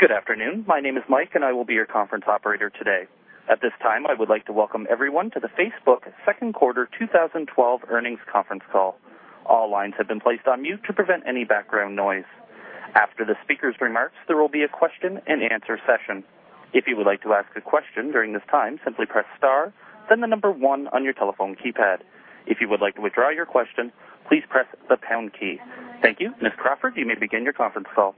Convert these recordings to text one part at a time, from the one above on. Good afternoon. My name is Mike, and I will be your conference operator today. At this time, I would like to welcome everyone to the Facebook second quarter 2012 earnings conference call. All lines have been placed on mute to prevent any background noise. After the speaker's remarks, there will be a question and answer session. If you would like to ask a question during this time, simply press star, then 1 on your telephone keypad. If you would like to withdraw your question, please press the pound key. Thank you. Ms. Crawford, you may begin your conference call.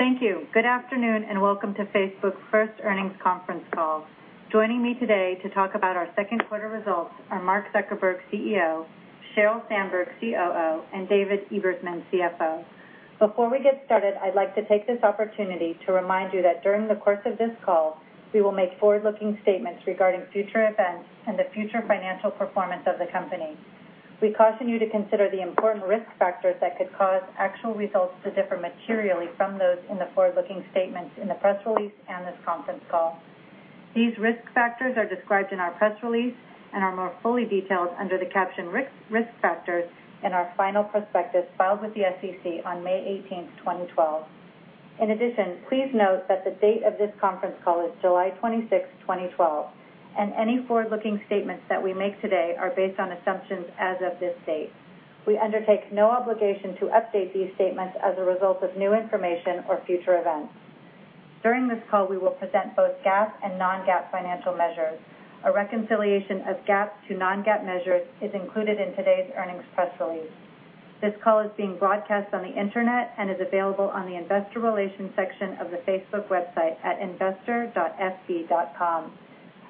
Thank you. Good afternoon, and welcome to Facebook's first earnings conference call. Joining me today to talk about our second quarter results are Mark Zuckerberg, CEO, Sheryl Sandberg, COO, and David Ebersman, CFO. Before we get started, I'd like to take this opportunity to remind you that during the course of this call, we will make forward-looking statements regarding future events and the future financial performance of the company. We caution you to consider the important risk factors that could cause actual results to differ materially from those in the forward-looking statements in the press release and this conference call. These risk factors are described in our press release and are more fully detailed under the caption risk factors in our final prospectus filed with the SEC on May 18th, 2012. Please note that the date of this conference call is July 26th, 2012, and any forward-looking statements that we make today are based on assumptions as of this date. We undertake no obligation to update these statements as a result of new information or future events. During this call, we will present both GAAP and non-GAAP financial measures. A reconciliation of GAAP to non-GAAP measures is included in today's earnings press release. This call is being broadcast on the internet and is available on the investor relations section of the Facebook website at investor.fb.com.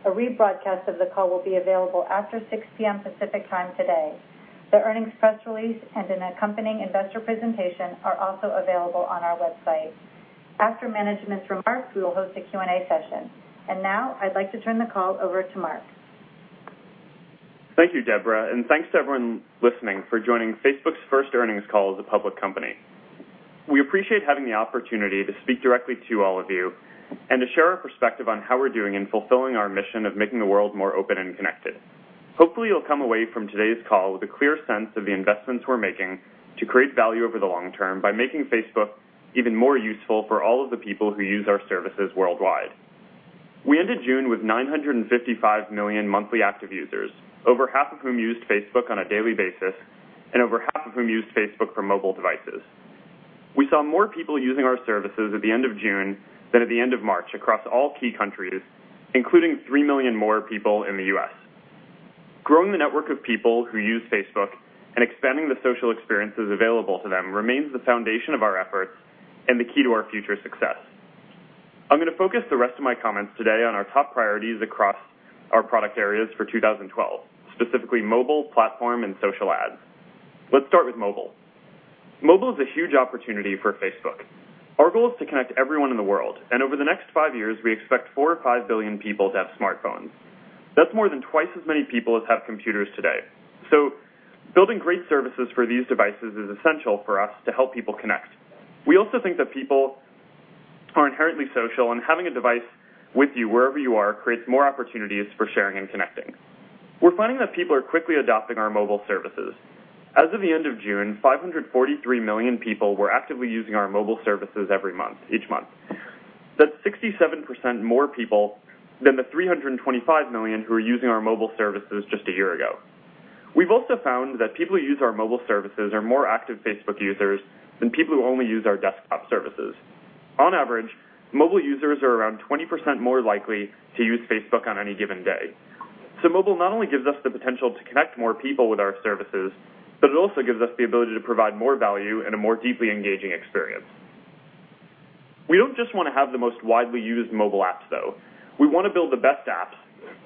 A rebroadcast of the call will be available after 6:00 P.M. Pacific Time today. The earnings press release and an accompanying investor presentation are also available on our website. After management's remarks, we will host a Q&A session. Now I'd like to turn the call over to Mark. Thank you, Deborah, and thanks to everyone listening for joining Facebook's first earnings call as a public company. We appreciate having the opportunity to speak directly to all of you and to share our perspective on how we're doing in fulfilling our mission of making the world more open and connected. Hopefully, you'll come away from today's call with a clear sense of the investments we're making to create value over the long term by making Facebook even more useful for all of the people who use our services worldwide. We ended June with 955 million monthly active users, over half of whom used Facebook on a daily basis, and over half of whom used Facebook from mobile devices. We saw more people using our services at the end of June than at the end of March across all key countries, including 3 million more people in the U.S. Growing the network of people who use Facebook and expanding the social experiences available to them remains the foundation of our efforts and the key to our future success. I'm going to focus the rest of my comments today on our top priorities across our product areas for 2012, specifically mobile, platform, and social ads. Let's start with mobile. Mobile is a huge opportunity for Facebook. Our goal is to connect everyone in the world, and over the next 5 years, we expect 4 or 5 billion people to have smartphones. That's more than twice as many people as have computers today. Building great services for these devices is essential for us to help people connect. We also think that people are inherently social, and having a device with you wherever you are creates more opportunities for sharing and connecting. We're finding that people are quickly adopting our mobile services. As of the end of June, 543 million people were actively using our mobile services each month. That's 67% more people than the 325 million who were using our mobile services just a year ago. We've also found that people who use our mobile services are more active Facebook users than people who only use our desktop services. On average, mobile users are around 20% more likely to use Facebook on any given day. Mobile not only gives us the potential to connect more people with our services, but it also gives us the ability to provide more value and a more deeply engaging experience. We don't just want to have the most widely used mobile apps, though. We want to build the best apps,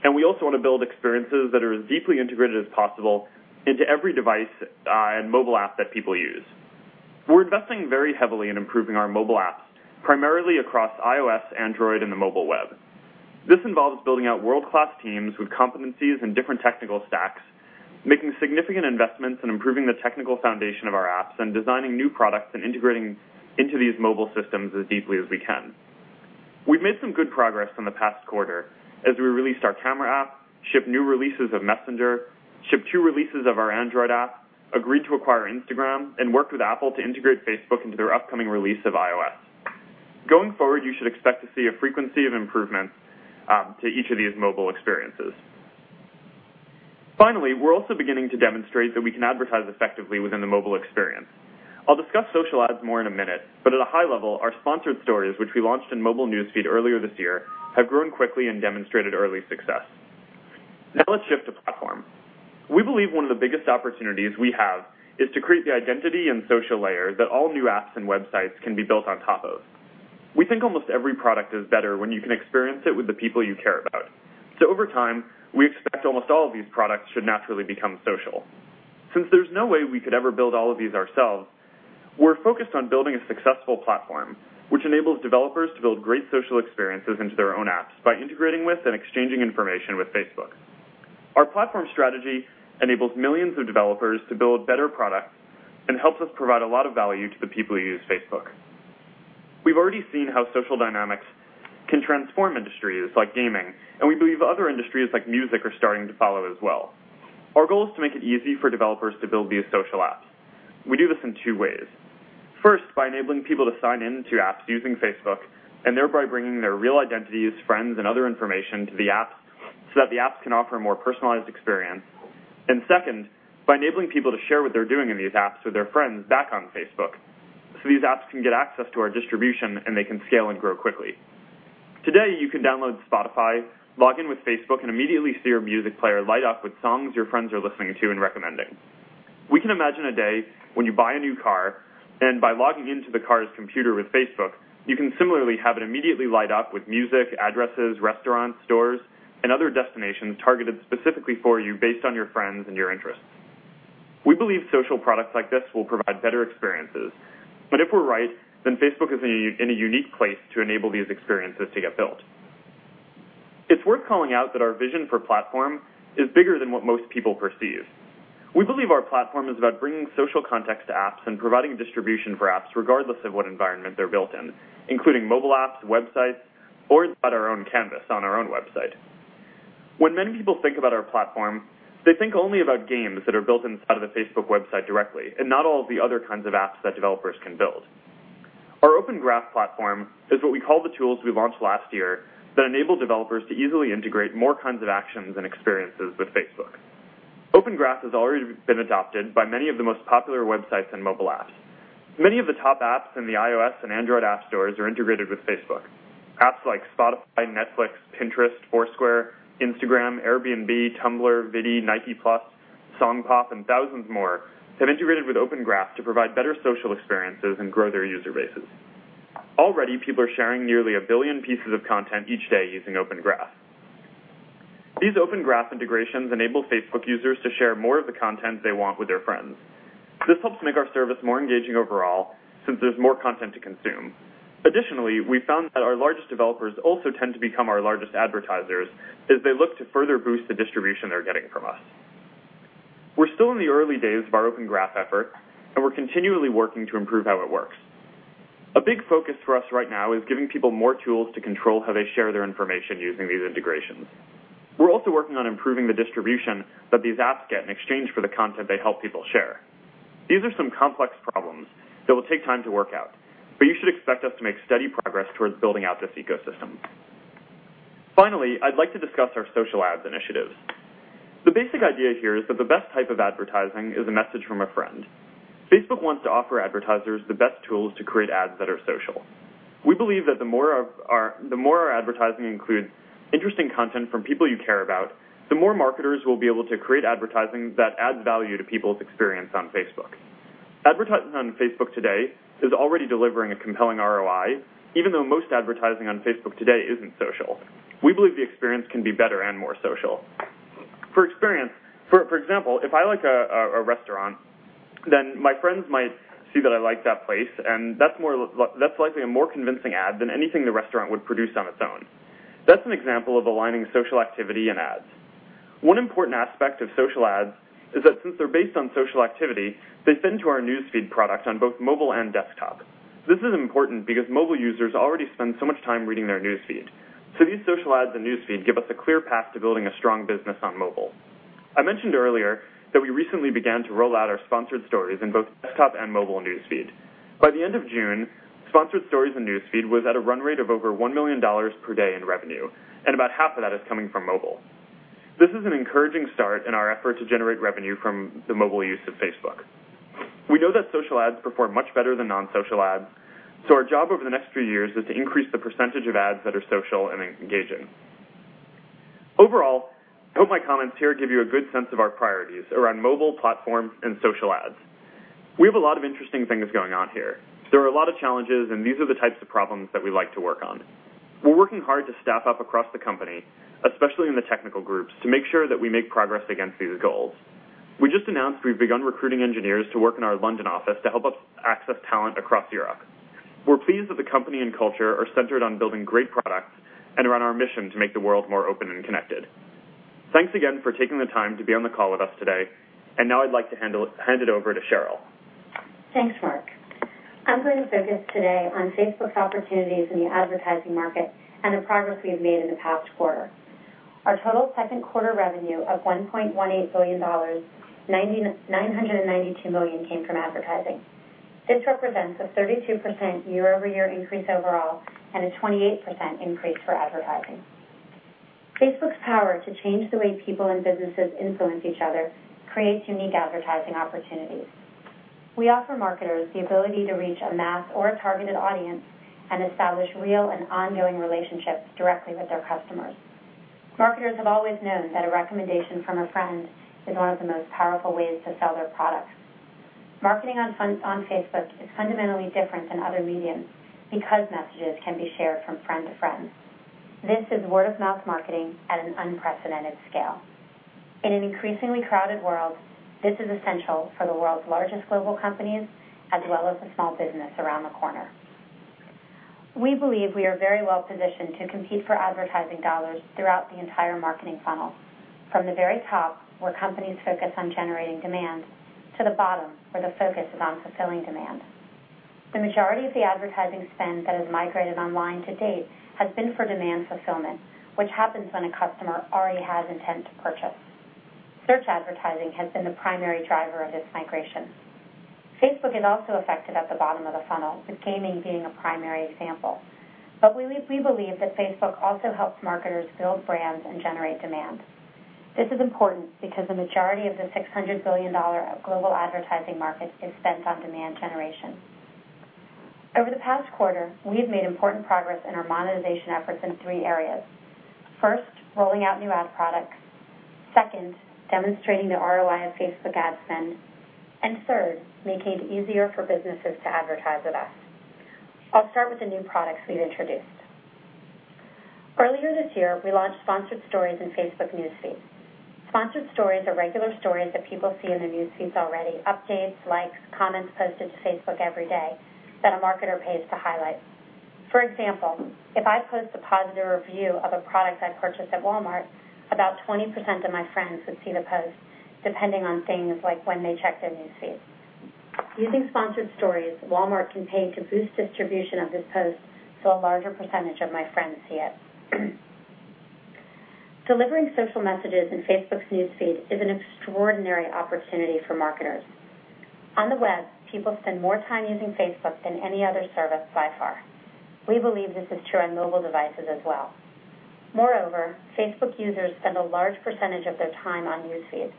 and we also want to build experiences that are as deeply integrated as possible into every device and mobile app that people use. We're investing very heavily in improving our mobile apps, primarily across iOS, Android, and the mobile web. This involves building out world-class teams with competencies in different technical stacks, making significant investments in improving the technical foundation of our apps, and designing new products and integrating into these mobile systems as deeply as we can. We've made some good progress in the past quarter as we released our camera app, shipped new releases of Messenger, shipped two releases of our Android app, agreed to acquire Instagram, and worked with Apple to integrate Facebook into their upcoming release of iOS. Going forward, you should expect to see a frequency of improvements, to each of these mobile experiences. Finally, we're also beginning to demonstrate that we can advertise effectively within the mobile experience. I'll discuss social ads more in a minute, but at a high level, our Sponsored Stories, which we launched in mobile News Feed earlier this year, have grown quickly and demonstrated early success. Now let's shift to platform. We believe one of the biggest opportunities we have is to create the identity and social layer that all new apps and websites can be built on top of. We think almost every product is better when you can experience it with the people you care about. Over time, we expect almost all of these products should naturally become social. Since there's no way we could ever build all of these ourselves, we're focused on building a successful platform, which enables developers to build great social experiences into their own apps by integrating with and exchanging information with Facebook. Our platform strategy enables millions of developers to build better products and helps us provide a lot of value to the people who use Facebook. We've already seen how social dynamics can transform industries like gaming, and we believe other industries like music are starting to follow as well. Our goal is to make it easy for developers to build these social apps. We do this in two ways. First, by enabling people to sign into apps using Facebook, and thereby bringing their real identities, friends, and other information to the apps so that the apps can offer a more personalized experience. Second, by enabling people to share what they're doing in these apps with their friends back on Facebook. These apps can get access to our distribution, and they can scale and grow quickly. Today, you can download Spotify, log in with Facebook, and immediately see your music player light up with songs your friends are listening to and recommending. We can imagine a day when you buy a new car, and by logging into the car's computer with Facebook, you can similarly have it immediately light up with music, addresses, restaurants, stores, and other destinations targeted specifically for you based on your friends and your interests. We believe social products like this will provide better experiences. If we're right, then Facebook is in a unique place to enable these experiences to get built. It's worth calling out that our vision for platform is bigger than what most people perceive. We believe our platform is about bringing social context to apps and providing distribution for apps regardless of what environment they're built in, including mobile apps, websites, or at our own canvas on our own website. When many people think about our platform, they think only about games that are built inside of the Facebook website directly, and not all of the other kinds of apps that developers can build. Our Open Graph platform is what we call the tools we launched last year that enable developers to easily integrate more kinds of actions and experiences with Facebook. Open Graph has already been adopted by many of the most popular websites and mobile apps. Many of the top apps in the iOS and Android app stores are integrated with Facebook. Apps like Spotify, Netflix, Pinterest, Foursquare, Instagram, Airbnb, Tumblr, Viddy, Nike+, SongPop, and thousands more have integrated with Open Graph to provide better social experiences and grow their user bases. Already, people are sharing nearly a billion pieces of content each day using Open Graph. These Open Graph integrations enable Facebook users to share more of the content they want with their friends. This helps make our service more engaging overall, since there's more content to consume. Additionally, we found that our largest developers also tend to become our largest advertisers as they look to further boost the distribution they're getting from us. We're still in the early days of our Open Graph effort, and we're continually working to improve how it works. A big focus for us right now is giving people more tools to control how they share their information using these integrations. We're also working on improving the distribution that these apps get in exchange for the content they help people share. These are some complex problems that will take time to work out, but you should expect us to make steady progress towards building out this ecosystem. Finally, I'd like to discuss our social ads initiatives. The basic idea here is that the best type of advertising is a message from a friend. Facebook wants to offer advertisers the best tools to create ads that are social. We believe that the more our advertising includes interesting content from people you care about, the more marketers will be able to create advertising that adds value to people's experience on Facebook. Advertising on Facebook today is already delivering a compelling ROI, even though most advertising on Facebook today isn't social. We believe the experience can be better and more social. For example, if I like a restaurant, then my friends might see that I like that place, and that's likely a more convincing ad than anything the restaurant would produce on its own. That's an example of aligning social activity and ads. One important aspect of social ads is that since they're based on social activity, they fit into our News Feed product on both mobile and desktop. This is important because mobile users already spend so much time reading their News Feed. These social ads and News Feed give us a clear path to building a strong business on mobile. I mentioned earlier that we recently began to roll out our Sponsored Stories in both desktop and mobile News Feed. By the end of June, Sponsored Stories and News Feed was at a run rate of over $1 million per day in revenue, and about half of that is coming from mobile. This is an encouraging start in our effort to generate revenue from the mobile use of Facebook. We know that social ads perform much better than non-social ads, so our job over the next few years is to increase the percentage of ads that are social and engaging. Overall, I hope my comments here give you a good sense of our priorities around mobile platforms and social ads. We have a lot of interesting things going on here. There are a lot of challenges, and these are the types of problems that we like to work on. We're working hard to staff up across the company, especially in the technical groups, to make sure that we make progress against these goals. We just announced we've begun recruiting engineers to work in our London office to help us access talent across Europe. We're pleased that the company and culture are centered on building great products and around our mission to make the world more open and connected. Thanks again for taking the time to be on the call with us today, and now I'd like to hand it over to Sheryl. Thanks, Mark. I'm going to focus today on Facebook's opportunities in the advertising market and the progress we've made in the past quarter. Our total second quarter revenue of $1.18 billion, $992 million came from advertising. This represents a 32% year-over-year increase overall and a 28% increase for advertising. Facebook's power to change the way people and businesses influence each other creates unique advertising opportunities. We offer marketers the ability to reach a mass or a targeted audience and establish real and ongoing relationships directly with their customers. Marketers have always known that a recommendation from a friend is one of the most powerful ways to sell their products. Marketing on Facebook is fundamentally different than other mediums because messages can be shared from friend to friend. This is word-of-mouth marketing at an unprecedented scale. In an increasingly crowded world, this is essential for the world's largest global companies, as well as the small business around the corner. We believe we are very well positioned to compete for advertising dollars throughout the entire marketing funnel. From the very top, where companies focus on generating demand, to the bottom, where the focus is on fulfilling demand. The majority of the advertising spend that has migrated online to date has been for demand fulfillment, which happens when a customer already has intent to purchase. Search advertising has been the primary driver of this migration. Facebook is also affected at the bottom of the funnel, with gaming being a primary example. We believe that Facebook also helps marketers build brands and generate demand. This is important because the majority of the $600 billion global advertising market is spent on demand generation. Over the past quarter, we have made important progress in our monetization efforts in three areas. First, rolling out new ad products. Second, demonstrating the ROI of Facebook ad spend. Third, making it easier for businesses to advertise with us. I'll start with the new products we've introduced. Earlier this year, we launched Sponsored Stories in Facebook News Feed. Sponsored Stories are regular stories that people see in their News Feed already, updates, likes, comments posted to Facebook every day, that a marketer pays to highlight. For example, if I post a positive review of a product I purchased at Walmart, about 20% of my friends would see the post, depending on things like when they check their News Feed. Using Sponsored Stories, Walmart can pay to boost distribution of this post so a larger percentage of my friends see it. Delivering social messages in Facebook's News Feed is an extraordinary opportunity for marketers. On the web, people spend more time using Facebook than any other service by far. We believe this is true on mobile devices as well. Moreover, Facebook users spend a large percentage of their time on News Feed.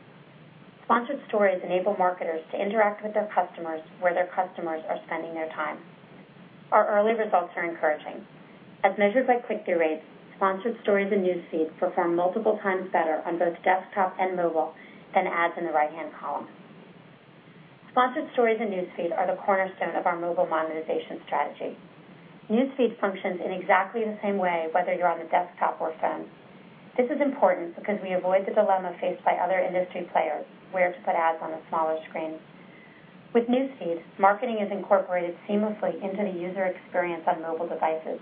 Sponsored Stories enable marketers to interact with their customers where their customers are spending their time. Our early results are encouraging. As measured by click-through rates, Sponsored Stories in News Feed perform multiple times better on both desktop and mobile than ads in the right-hand column. Sponsored Stories in News Feed are the cornerstone of our mobile monetization strategy. News Feed functions in exactly the same way, whether you're on a desktop or phone. This is important because we avoid the dilemma faced by other industry players: where to put ads on a smaller screen. With News Feed, marketing is incorporated seamlessly into the user experience on mobile devices.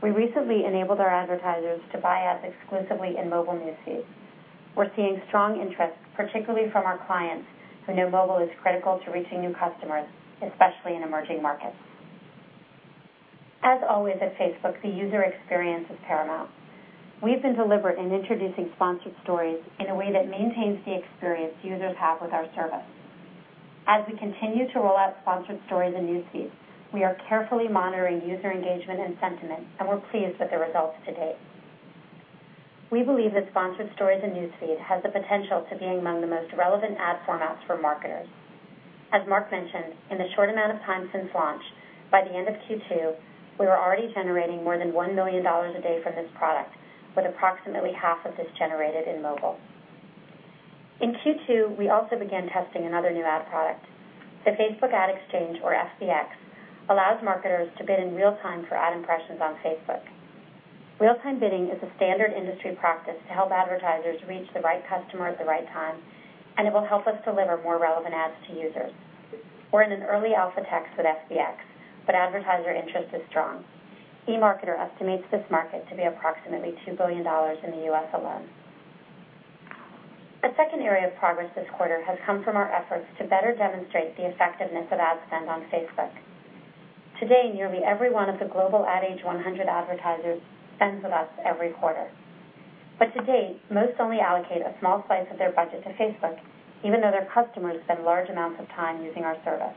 We recently enabled our advertisers to buy ads exclusively in mobile News Feed. We're seeing strong interest, particularly from our clients who know mobile is critical to reaching new customers, especially in emerging markets. As always at Facebook, the user experience is paramount. We've been deliberate in introducing Sponsored Stories in a way that maintains the experience users have with our service. As we continue to roll out Sponsored Stories in News Feed, we are carefully monitoring user engagement and sentiment, and we're pleased with the results to date. We believe that Sponsored Stories in News Feed has the potential to be among the most relevant ad formats for marketers. As Mark mentioned, in the short amount of time since launch, by the end of Q2, we were already generating more than $1 million a day for this product, with approximately half of this generated in mobile. In Q2, we also began testing another new ad product. The Facebook Ad Exchange, or FBX, allows marketers to bid in real time for ad impressions on Facebook. Real-time bidding is a standard industry practice to help advertisers reach the right customer at the right time, and it will help us deliver more relevant ads to users. We're in an early alpha test with FBX, but advertiser interest is strong. eMarketer estimates this market to be approximately $2 billion in the U.S. alone. A second area of progress this quarter has come from our efforts to better demonstrate the effectiveness of ad spend on Facebook. Today, nearly every one of the global Ad Age 100 advertisers spends with us every quarter. To date, most only allocate a small slice of their budget to Facebook, even though their customers spend large amounts of time using our service.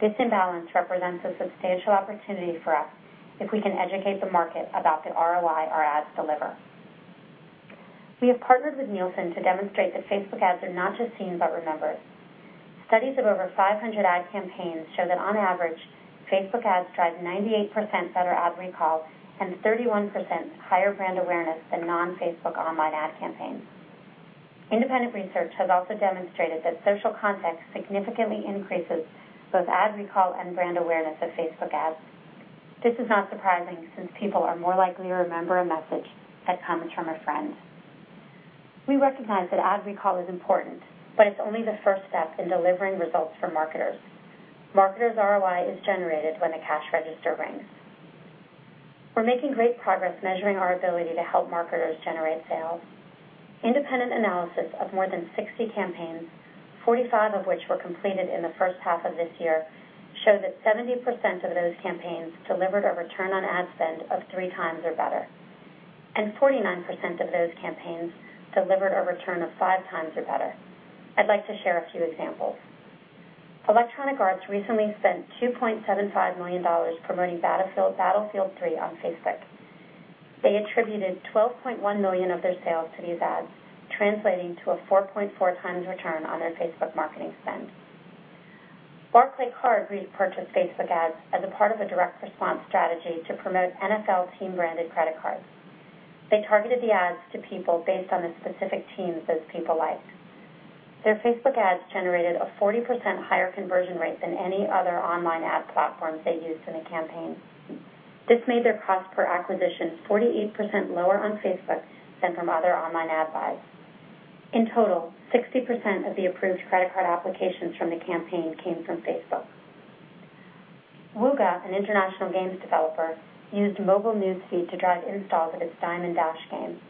This imbalance represents a substantial opportunity for us if we can educate the market about the ROI our ads deliver. We have partnered with Nielsen to demonstrate that Facebook ads are not just seen, but remembered. Studies of over 500 ad campaigns show that on average, Facebook ads drive 98% better ad recall and 31% higher brand awareness than non-Facebook online ad campaigns. Independent research has also demonstrated that social context significantly increases both ad recall and brand awareness of Facebook ads. This is not surprising, since people are more likely to remember a message that comes from a friend. We recognize that ad recall is important, but it's only the first step in delivering results for marketers. Marketers' ROI is generated when the cash register rings. We're making great progress measuring our ability to help marketers generate sales. Independent analysis of more than 60 campaigns, 45 of which were completed in the first half of this year, show that 70% of those campaigns delivered a return on ad spend of three times or better, and 49% of those campaigns delivered a return of five times or better. I'd like to share a few examples. Electronic Arts recently spent $2.75 million promoting Battlefield 3 on Facebook. They attributed $12.1 million of their sales to these ads, translating to a 4.4 times return on their Facebook marketing spend. Barclaycard repurchased Facebook ads as a part of a direct response strategy to promote NFL team-branded credit cards. They targeted the ads to people based on the specific teams those people liked. Their Facebook ads generated a 40% higher conversion rate than any other online ad platforms they used in the campaign. This made their cost per acquisition 48% lower on Facebook than from other online ad buys. In total, 60% of the approved credit card applications from the campaign came from Facebook. Wooga, an international games developer, used mobile News Feed to drive installs of its Diamond Dash game.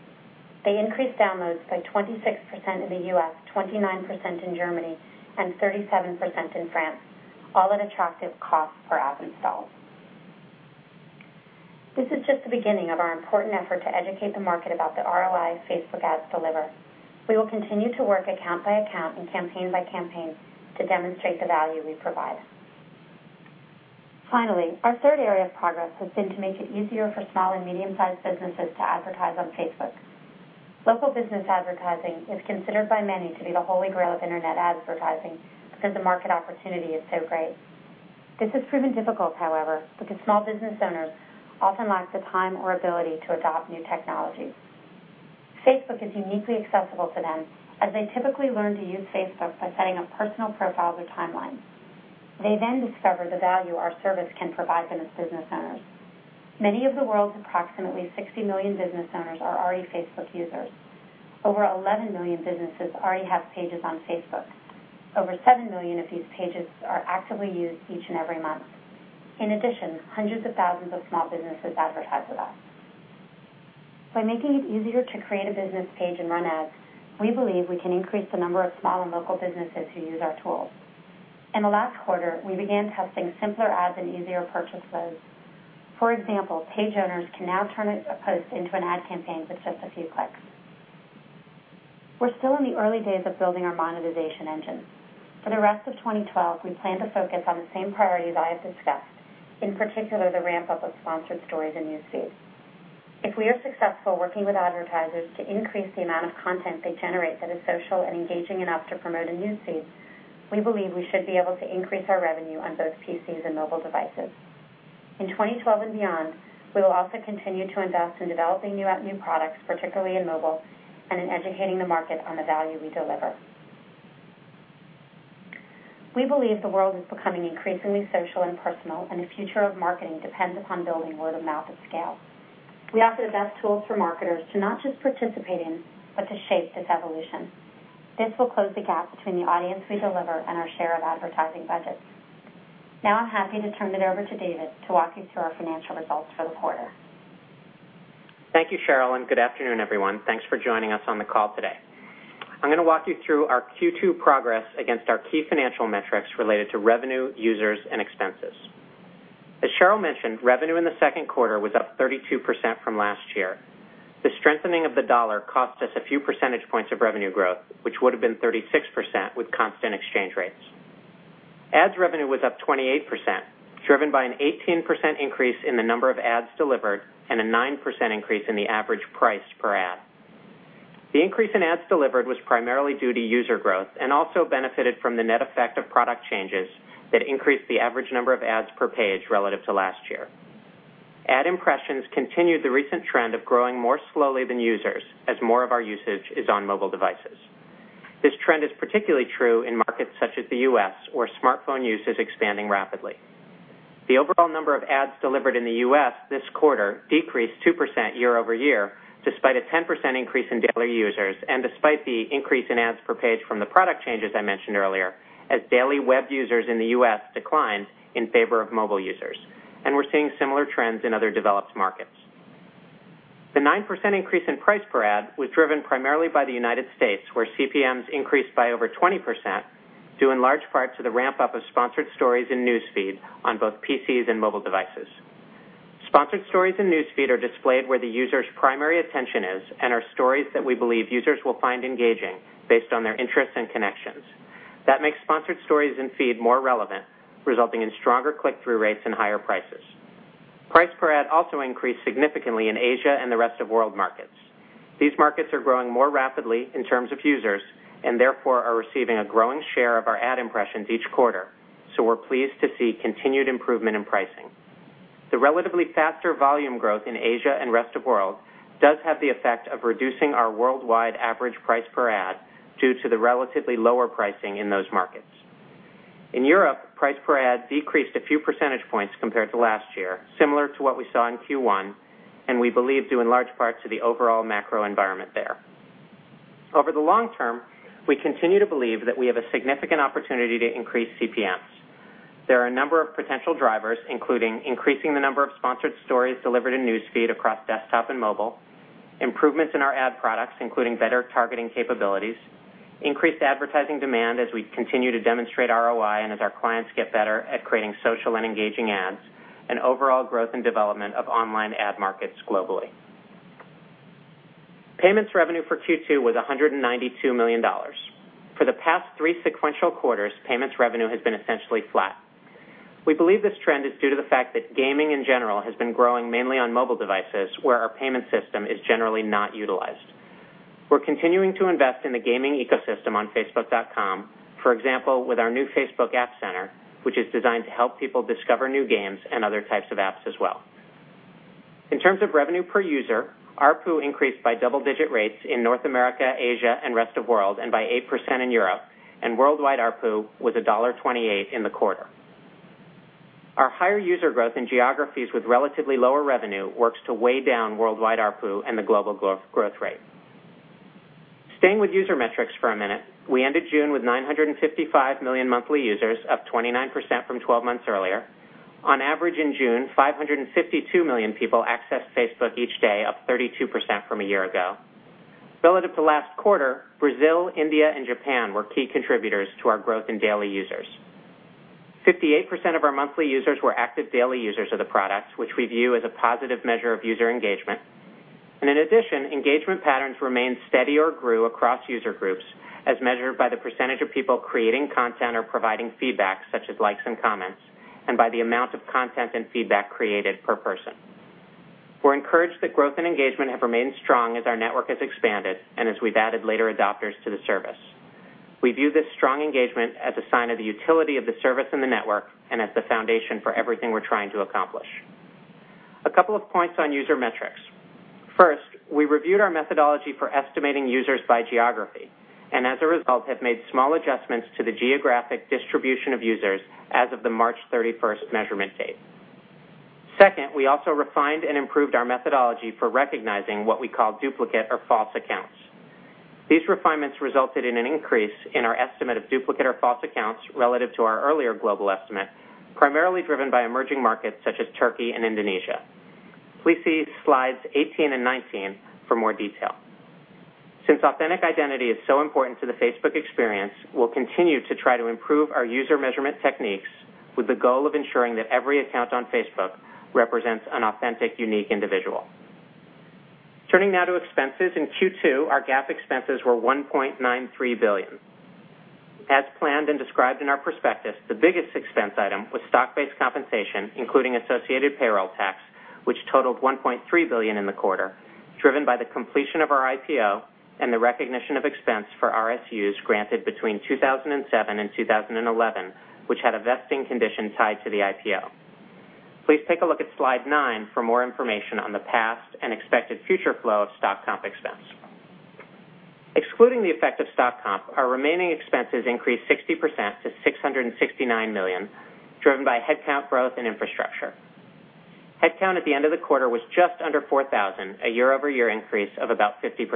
They increased downloads by 26% in the U.S., 29% in Germany, and 37% in France, all at attractive cost per app install. This is just the beginning of our important effort to educate the market about the ROI Facebook ads deliver. We will continue to work account by account and campaign by campaign to demonstrate the value we provide. Finally, our third area of progress has been to make it easier for small and medium-sized businesses to advertise on Facebook. Local business advertising is considered by many to be the holy grail of internet advertising because the market opportunity is so great. This has proven difficult, however, because small business owners often lack the time or ability to adopt new technology. Facebook is uniquely accessible to them, as they typically learn to use Facebook by setting up personal profiles or timelines. They discover the value our service can provide them as business owners. Many of the world's approximately 60 million business owners are already Facebook users. Over 11 million businesses already have Pages on Facebook. Over seven million of these Pages are actively used each and every month. In addition, hundreds of thousands of small businesses advertise with us. By making it easier to create a business Page and run ads, we believe we can increase the number of small and local businesses who use our tools. In the last quarter, we began testing simpler ads and easier purchase flows. For example, Page owners can now turn a post into an ad campaign with just a few clicks. We're still in the early days of building our monetization engine. For the rest of 2012, we plan to focus on the same priorities I have discussed, in particular, the ramp-up of Sponsored Stories and News Feed. If we are successful working with advertisers to increase the amount of content they generate that is social and engaging enough to promote in News Feed, we believe we should be able to increase our revenue on both PCs and mobile devices. In 2012 and beyond, we will also continue to invest in developing new products, particularly in mobile, and in educating the market on the value we deliver. We believe the world is becoming increasingly social and personal, the future of marketing depends upon building word-of-mouth at scale. We offer the best tools for marketers to not just participate in, but to shape this evolution. This will close the gap between the audience we deliver and our share of advertising budgets. Now I'm happy to turn it over to David to walk you through our financial results for the quarter. Thank you, Sheryl, and good afternoon, everyone. Thanks for joining us on the call today. I'm going to walk you through our Q2 progress against our key financial metrics related to revenue, users, and expenses. As Sheryl mentioned, revenue in the second quarter was up 32% from last year. The strengthening of the dollar cost us a few percentage points of revenue growth, which would have been 36% with constant exchange rates. Ads revenue was up 28%, driven by an 18% increase in the number of ads delivered and a 9% increase in the average price per ad. The increase in ads delivered was primarily due to user growth and also benefited from the net effect of product changes that increased the average number of ads per page relative to last year. Ad impressions continued the recent trend of growing more slowly than users, as more of our usage is on mobile devices. This trend is particularly true in markets such as the U.S., where smartphone use is expanding rapidly. The overall number of ads delivered in the U.S. this quarter decreased 2% year-over-year, despite a 10% increase in daily users and despite the increase in ads per page from the product changes I mentioned earlier, as daily web users in the U.S. declined in favor of mobile users. We're seeing similar trends in other developed markets. The 9% increase in price per ad was driven primarily by the United States, where CPMs increased by over 20%, due in large part to the ramp-up of Sponsored Stories in News Feed on both PCs and mobile devices. Sponsored Stories in News Feed are displayed where the user's primary attention is and are stories that we believe users will find engaging based on their interests and connections. That makes Sponsored Stories in Feed more relevant, resulting in stronger click-through rates and higher prices. Price per ad also increased significantly in Asia and the rest of world markets. These markets are growing more rapidly in terms of users and therefore are receiving a growing share of our ad impressions each quarter, so we're pleased to see continued improvement in pricing. The relatively faster volume growth in Asia and rest of world does have the effect of reducing our worldwide average price per ad due to the relatively lower pricing in those markets. In Europe, price per ad decreased a few percentage points compared to last year, similar to what we saw in Q1, and we believe due in large part to the overall macro environment there. Over the long term, we continue to believe that we have a significant opportunity to increase CPMs. There are a number of potential drivers, including increasing the number of Sponsored Stories delivered in News Feed across desktop and mobile, improvements in our ad products, including better targeting capabilities, increased advertising demand as we continue to demonstrate ROI and as our clients get better at creating social and engaging ads, and overall growth and development of online ad markets globally. Payments revenue for Q2 was $192 million. For the past three sequential quarters, payments revenue has been essentially flat. We believe this trend is due to the fact that gaming in general has been growing mainly on mobile devices, where our payment system is generally not utilized. We're continuing to invest in the gaming ecosystem on facebook.com, for example, with our new Facebook App Center, which is designed to help people discover new games and other types of apps as well. In terms of revenue per user, ARPU increased by double-digit rates in North America, Asia, and rest of world, and by 8% in Europe, and worldwide ARPU was $1.28 in the quarter. Our higher user growth in geographies with relatively lower revenue works to weigh down worldwide ARPU and the global growth rate. Staying with user metrics for a minute, we ended June with 955 million monthly users, up 29% from 12 months earlier. On average in June, 552 million people accessed Facebook each day, up 32% from a year ago. Relative to last quarter, Brazil, India, and Japan were key contributors to our growth in daily users. 58% of our monthly users were active daily users of the product, which we view as a positive measure of user engagement. In addition, engagement patterns remained steady or grew across user groups, as measured by the percentage of people creating content or providing feedback such as likes and comments, and by the amount of content and feedback created per person. We're encouraged that growth and engagement have remained strong as our network has expanded, and as we've added later adopters to the service. We view this strong engagement as a sign of the utility of the service and the network, and as the foundation for everything we're trying to accomplish. A couple of points on user metrics. First, we reviewed our methodology for estimating users by geography, and as a result, have made small adjustments to the geographic distribution of users as of the March 31st measurement date. Second, we also refined and improved our methodology for recognizing what we call duplicate or false accounts. These refinements resulted in an increase in our estimate of duplicate or false accounts relative to our earlier global estimate, primarily driven by emerging markets such as Turkey and Indonesia. Please see slides 18 and 19 for more detail. Since authentic identity is so important to the Facebook experience, we'll continue to try to improve our user measurement techniques with the goal of ensuring that every account on Facebook represents an authentic, unique individual. Turning now to expenses. In Q2, our GAAP expenses were $1.93 billion. As planned and described in our prospectus, the biggest expense item was stock-based compensation, including associated payroll tax, which totaled $1.3 billion in the quarter, driven by the completion of our IPO and the recognition of expense for RSUs granted between 2007 and 2011, which had a vesting condition tied to the IPO. Please take a look at slide nine for more information on the past and expected future flow of stock comp expense. Excluding the effect of stock comp, our remaining expenses increased 60% to $669 million, driven by headcount growth and infrastructure. Headcount at the end of the quarter was just under 4,000, a year-over-year increase of about 50%.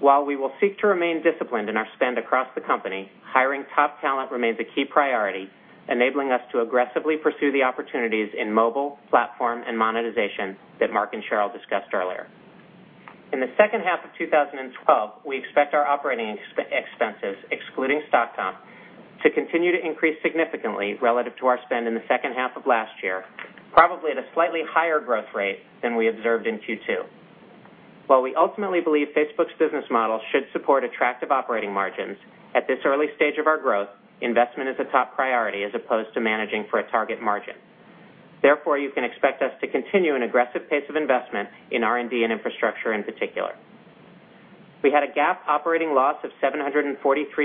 While we will seek to remain disciplined in our spend across the company, hiring top talent remains a key priority, enabling us to aggressively pursue the opportunities in mobile, platform, and monetization that Mark and Sheryl discussed earlier. In the second half of 2012, we expect our operating expenses, excluding stock comp, to continue to increase significantly relative to our spend in the second half of last year, probably at a slightly higher growth rate than we observed in Q2. While we ultimately believe Facebook's business model should support attractive operating margins, at this early stage of our growth, investment is a top priority as opposed to managing for a target margin. Therefore, you can expect us to continue an aggressive pace of investment in R&D and infrastructure in particular. We had a GAAP operating loss of $743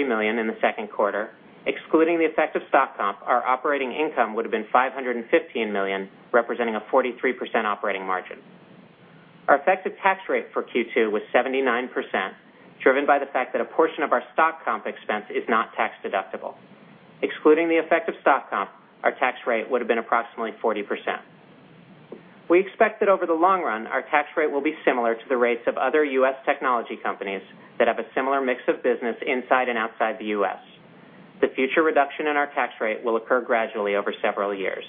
million in the second quarter. Excluding the effect of stock comp, our operating income would have been $515 million, representing a 43% operating margin. Our effective tax rate for Q2 was 79%, driven by the fact that a portion of our stock comp expense is not tax deductible. Excluding the effect of stock comp, our tax rate would have been approximately 40%. We expect that over the long run, our tax rate will be similar to the rates of other U.S. technology companies that have a similar mix of business inside and outside the U.S. The future reduction in our tax rate will occur gradually over several years.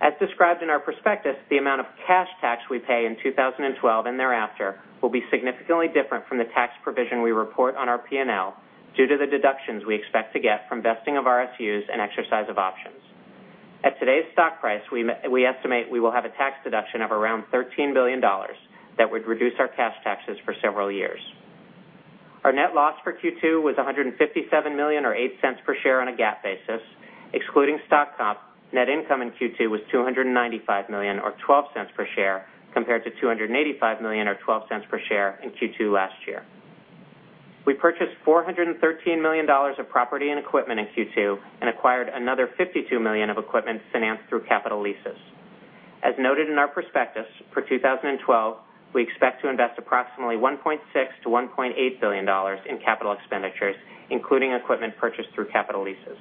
As described in our prospectus, the amount of cash tax we pay in 2012 and thereafter will be significantly different from the tax provision we report on our P&L due to the deductions we expect to get from vesting of RSUs and exercise of options. At today's stock price, we estimate we will have a tax deduction of around $13 billion that would reduce our cash taxes for several years. Our net loss for Q2 was $157 million or $0.08 per share on a GAAP basis. Excluding stock comp, net income in Q2 was $295 million or $0.12 per share, compared to $285 million or $0.12 per share in Q2 last year. We purchased $413 million of property and equipment in Q2 and acquired another $52 million of equipment financed through capital leases. As noted in our prospectus, for 2012, we expect to invest approximately $1.6 billion-$1.8 billion in capital expenditures, including equipment purchased through capital leases.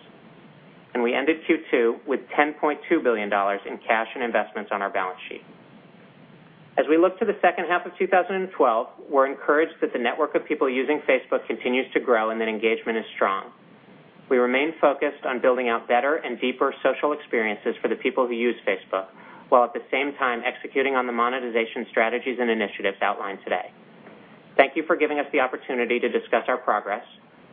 We ended Q2 with $10.2 billion in cash and investments on our balance sheet. As we look to the second half of 2012, we're encouraged that the network of people using Facebook continues to grow and that engagement is strong. We remain focused on building out better and deeper social experiences for the people who use Facebook, while at the same time executing on the monetization strategies and initiatives outlined today. Thank you for giving us the opportunity to discuss our progress.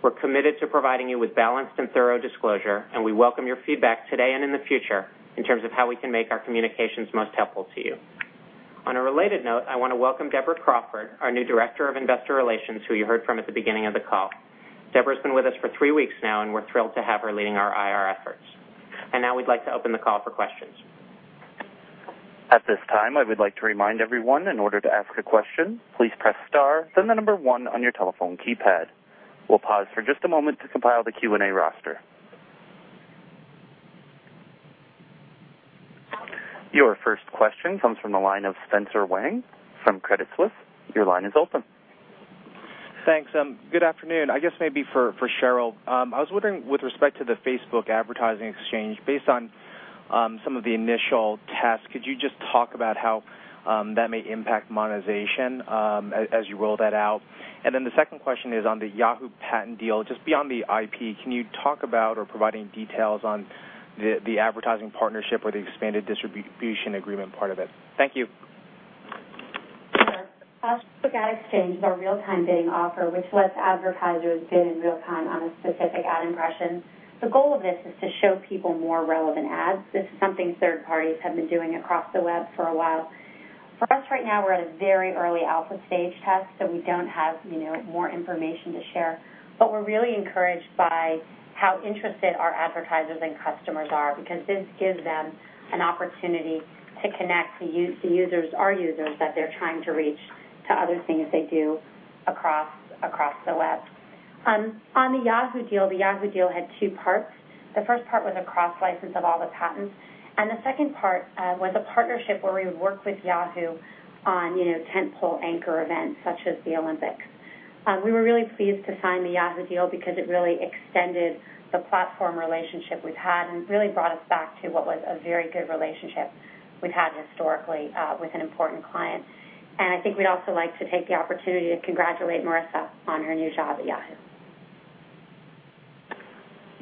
We're committed to providing you with balanced and thorough disclosure, and we welcome your feedback today and in the future in terms of how we can make our communications most helpful to you. On a related note, I want to welcome Deborah Crawford, our new Director of Investor Relations, who you heard from at the beginning of the call. Deborah's been with us for three weeks now, and we're thrilled to have her leading our IR efforts. Now we'd like to open the call for questions. At this time, I would like to remind everyone, in order to ask a question, please press star then the number one on your telephone keypad. We'll pause for just a moment to compile the Q&A roster. Your first question comes from the line of Spencer Wang from Credit Suisse. Your line is open. Thanks. Good afternoon. I guess maybe for Sheryl. I was wondering with respect to the Facebook Advertising Exchange, based on Some of the initial tests, could you just talk about how that may impact monetization as you roll that out? The second question is on the Yahoo patent deal. Just beyond the IP, can you talk about or provide any details on the advertising partnership or the expanded distribution agreement part of it? Thank you. Sure. Facebook Ad Exchange is our real-time bidding offer, which lets advertisers bid in real time on a specific ad impression. The goal of this is to show people more relevant ads. This is something third parties have been doing across the web for a while. For us right now, we're at a very early alpha stage test, so we don't have more information to share. We're really encouraged by how interested our advertisers and customers are, because this gives them an opportunity to connect the users, our users, that they're trying to reach to other things they do across the web. On the Yahoo deal, the Yahoo deal had two parts. The first part was a cross-license of all the patents, and the second part was a partnership where we would work with Yahoo on tentpole anchor events such as the Olympics. We were really pleased to sign the Yahoo deal because it really extended the platform relationship we've had and really brought us back to what was a very good relationship we'd had historically with an important client. I think we'd also like to take the opportunity to congratulate Marissa on her new job at Yahoo.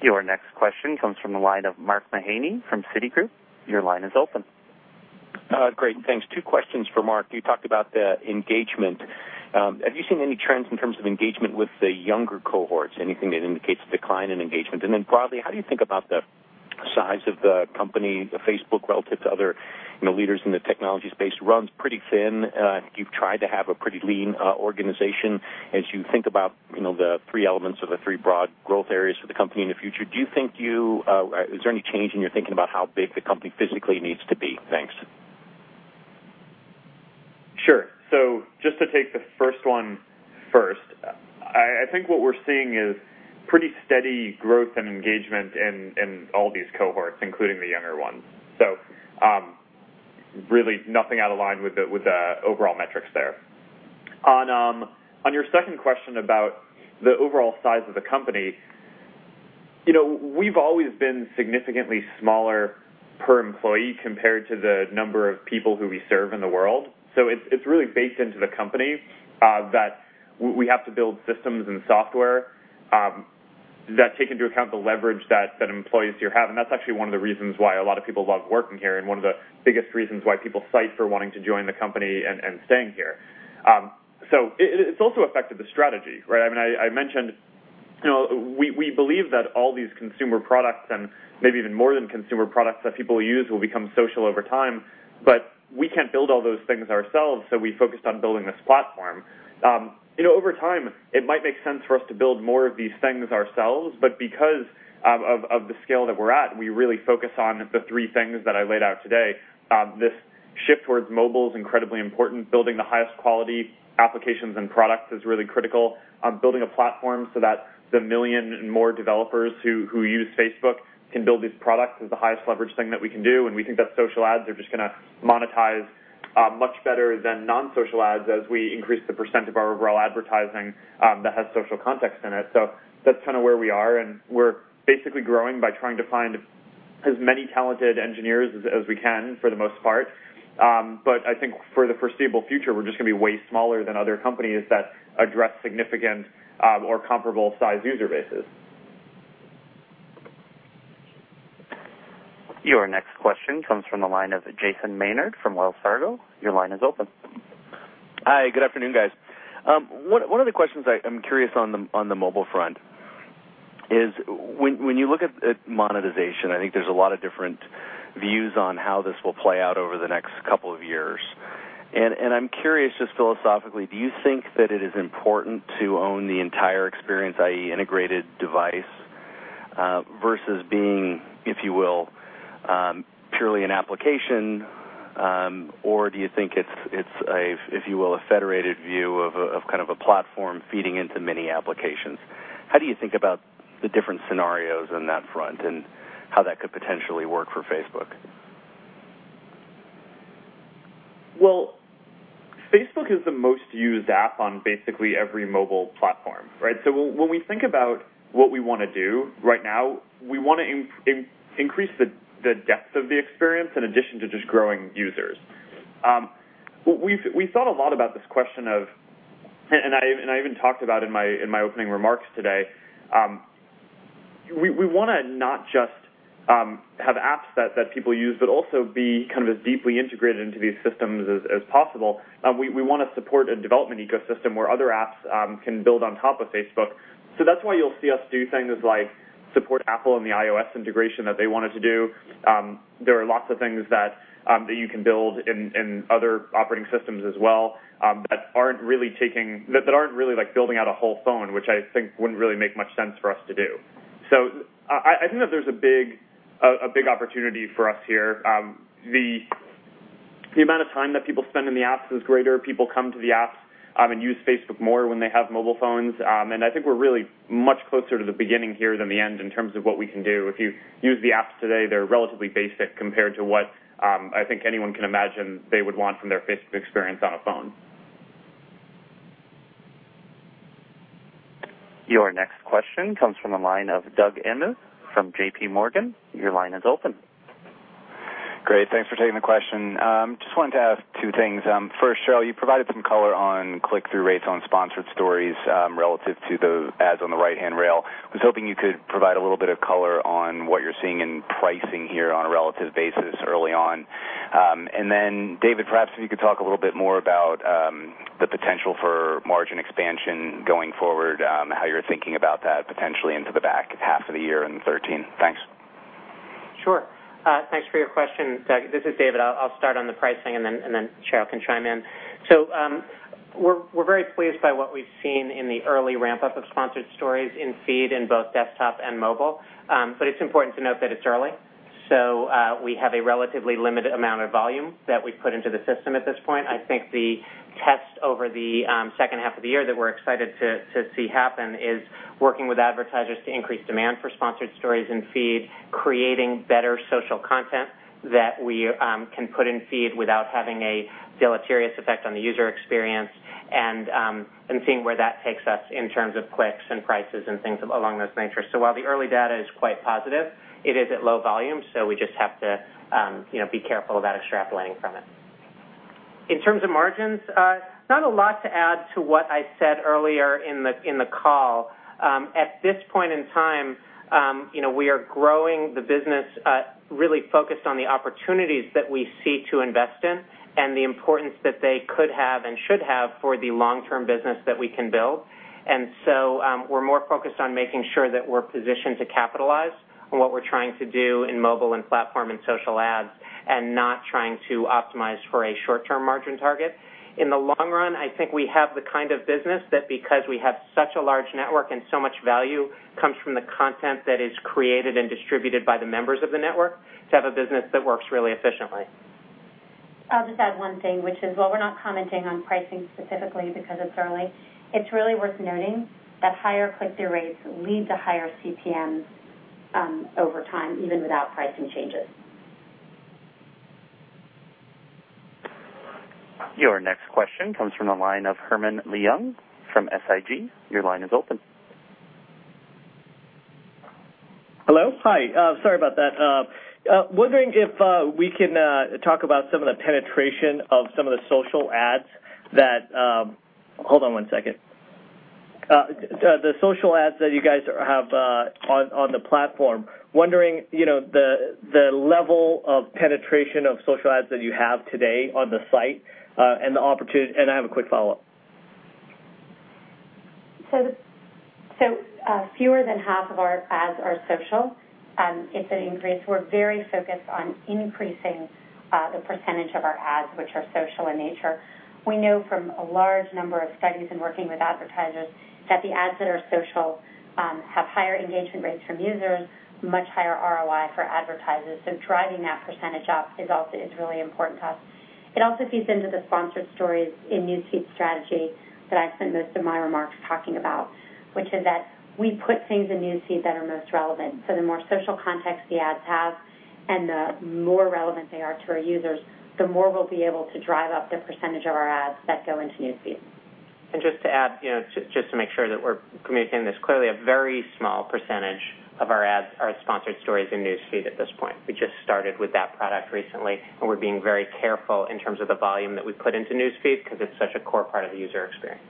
Your next question comes from the line of Mark Mahaney from Citigroup. Your line is open. Great, thanks. Two questions for Mark. You talked about the engagement. Have you seen any trends in terms of engagement with the younger cohorts? Anything that indicates a decline in engagement? Then broadly, how do you think about the size of the company, Facebook, relative to other leaders in the technology space? Runs pretty thin. I think you've tried to have a pretty lean organization. As you think about the three elements or the three broad growth areas for the company in the future, is there any change in your thinking about how big the company physically needs to be? Thanks. Sure. Just to take the first one first, I think what we're seeing is pretty steady growth and engagement in all these cohorts, including the younger ones. Really nothing out of line with the overall metrics there. On your second question about the overall size of the company, we've always been significantly smaller per employee compared to the number of people who we serve in the world. It's really baked into the company that we have to build systems and software that take into account the leverage that employees here have, that's actually one of the reasons why a lot of people love working here and one of the biggest reasons why people cite for wanting to join the company and staying here. It's also affected the strategy, right? I mentioned we believe that all these consumer products, and maybe even more than consumer products that people use, will become social over time. We can't build all those things ourselves, so we focused on building this platform. Over time, it might make sense for us to build more of these things ourselves, but because of the scale that we're at, we really focus on the three things that I laid out today. This shift towards mobile is incredibly important. Building the highest quality applications and products is really critical. Building a platform so that the million and more developers who use Facebook can build these products is the highest leverage thing that we can do. We think that social ads are just going to monetize much better than non-social ads as we increase the % of our overall advertising that has social context in it. That's kind of where we are. We're basically growing by trying to find as many talented engineers as we can, for the most part. I think for the foreseeable future, we're just going to be way smaller than other companies that address significant or comparable size user bases. Your next question comes from the line of Jason Maynard from Wells Fargo. Your line is open. Hi, good afternoon, guys. One of the questions I'm curious on the mobile front is when you look at monetization, I think there's a lot of different views on how this will play out over the next couple of years. I'm curious, just philosophically, do you think that it is important to own the entire experience, i.e., integrated device, versus being, if you will, purely an application? Do you think it's, if you will, a federated view of kind of a platform feeding into many applications? How do you think about the different scenarios on that front and how that could potentially work for Facebook? Well, Facebook is the most used app on basically every mobile platform, right? When we think about what we want to do right now, we want to increase the depth of the experience in addition to just growing users. We've thought a lot about this question of, and I even talked about in my opening remarks today, we want to not just have apps that people use, but also be kind of as deeply integrated into these systems as possible. We want to support a development ecosystem where other apps can build on top of Facebook. That's why you'll see us do things like support Apple and the iOS integration that they wanted to do. There are lots of things that you can build in other operating systems as well that aren't really like building out a whole phone, which I think wouldn't really make much sense for us to do. I think that there's a big opportunity for us here. The amount of time that people spend in the apps is greater. People come to the apps and use Facebook more when they have mobile phones, and I think we're really much closer to the beginning here than the end in terms of what we can do. If you use the apps today, they're relatively basic compared to what I think anyone can imagine they would want from their Facebook experience on a phone. Your next question comes from the line of Doug Anmuth from J.P. Morgan. Your line is open. Great. Thanks for taking the question. Just wanted to ask two things. First, Sheryl, you provided some color on click-through rates on Sponsored Stories, relative to those ads on the right-hand rail. Was hoping you could provide a little bit of color on what you're seeing in pricing here on a relative basis early on. David, perhaps if you could talk a little bit more about the potential for margin expansion going forward, how you're thinking about that potentially into the back half of the year in 2013. Thanks. Sure. Thanks for your question, Doug Anmuth. This is David Ebersman. I'll start on the pricing and then Sheryl Sandberg can chime in. We're very pleased by what we've seen in the early ramp-up of Sponsored Stories in feed, in both desktop and mobile. It's important to note that it's early, we have a relatively limited amount of volume that we've put into the system at this point. I think the test over the second half of the year that we're excited to see happen is working with advertisers to increase demand for Sponsored Stories in feed, creating better social content that we can put in feed without having a deleterious effect on the user experience, and seeing where that takes us in terms of clicks and prices and things along those natures. While the early data is quite positive, it is at low volume, so we just have to be careful about extrapolating from it. In terms of margins, not a lot to add to what I said earlier in the call. At this point in time, we are growing the business really focused on the opportunities that we see to invest in and the importance that they could have and should have for the long-term business that we can build. We're more focused on making sure that we're positioned to capitalize on what we're trying to do in mobile and platform and social ads, and not trying to optimize for a short-term margin target. In the long run, I think we have the kind of business that because we have such a large network and so much value comes from the content that is created and distributed by the members of the network, to have a business that works really efficiently. I'll just add one thing, which is, while we're not commenting on pricing specifically because it's early, it's really worth noting that higher click-through rates lead to higher CPMs over time, even without pricing changes. Your next question comes from the line of Herman Leung from SIG. Your line is open. Hello. Hi. Sorry about that. Wondering if we can talk about some of the penetration of some of the social ads that you guys have on the platform, wondering the level of penetration of social ads that you have today on the site, and the opportunity. I have a quick follow-up. Fewer than half of our ads are social. It's an increase. We're very focused on increasing the percentage of our ads which are social in nature. We know from a large number of studies in working with advertisers that the ads that are social have higher engagement rates from users, much higher ROI for advertisers. Driving that percentage up is really important to us. It also feeds into the Sponsored Stories in News Feed strategy that I spent most of my remarks talking about, which is that we put things in News Feed that are most relevant. The more social context the ads have and the more relevant they are to our users, the more we'll be able to drive up the percentage of our ads that go into News Feed. Just to add, just to make sure that we're communicating this clearly, a very small percentage of our ads are Sponsored Stories in News Feed at this point. We just started with that product recently. We're being very careful in terms of the volume that we put into News Feed because it's such a core part of the user experience.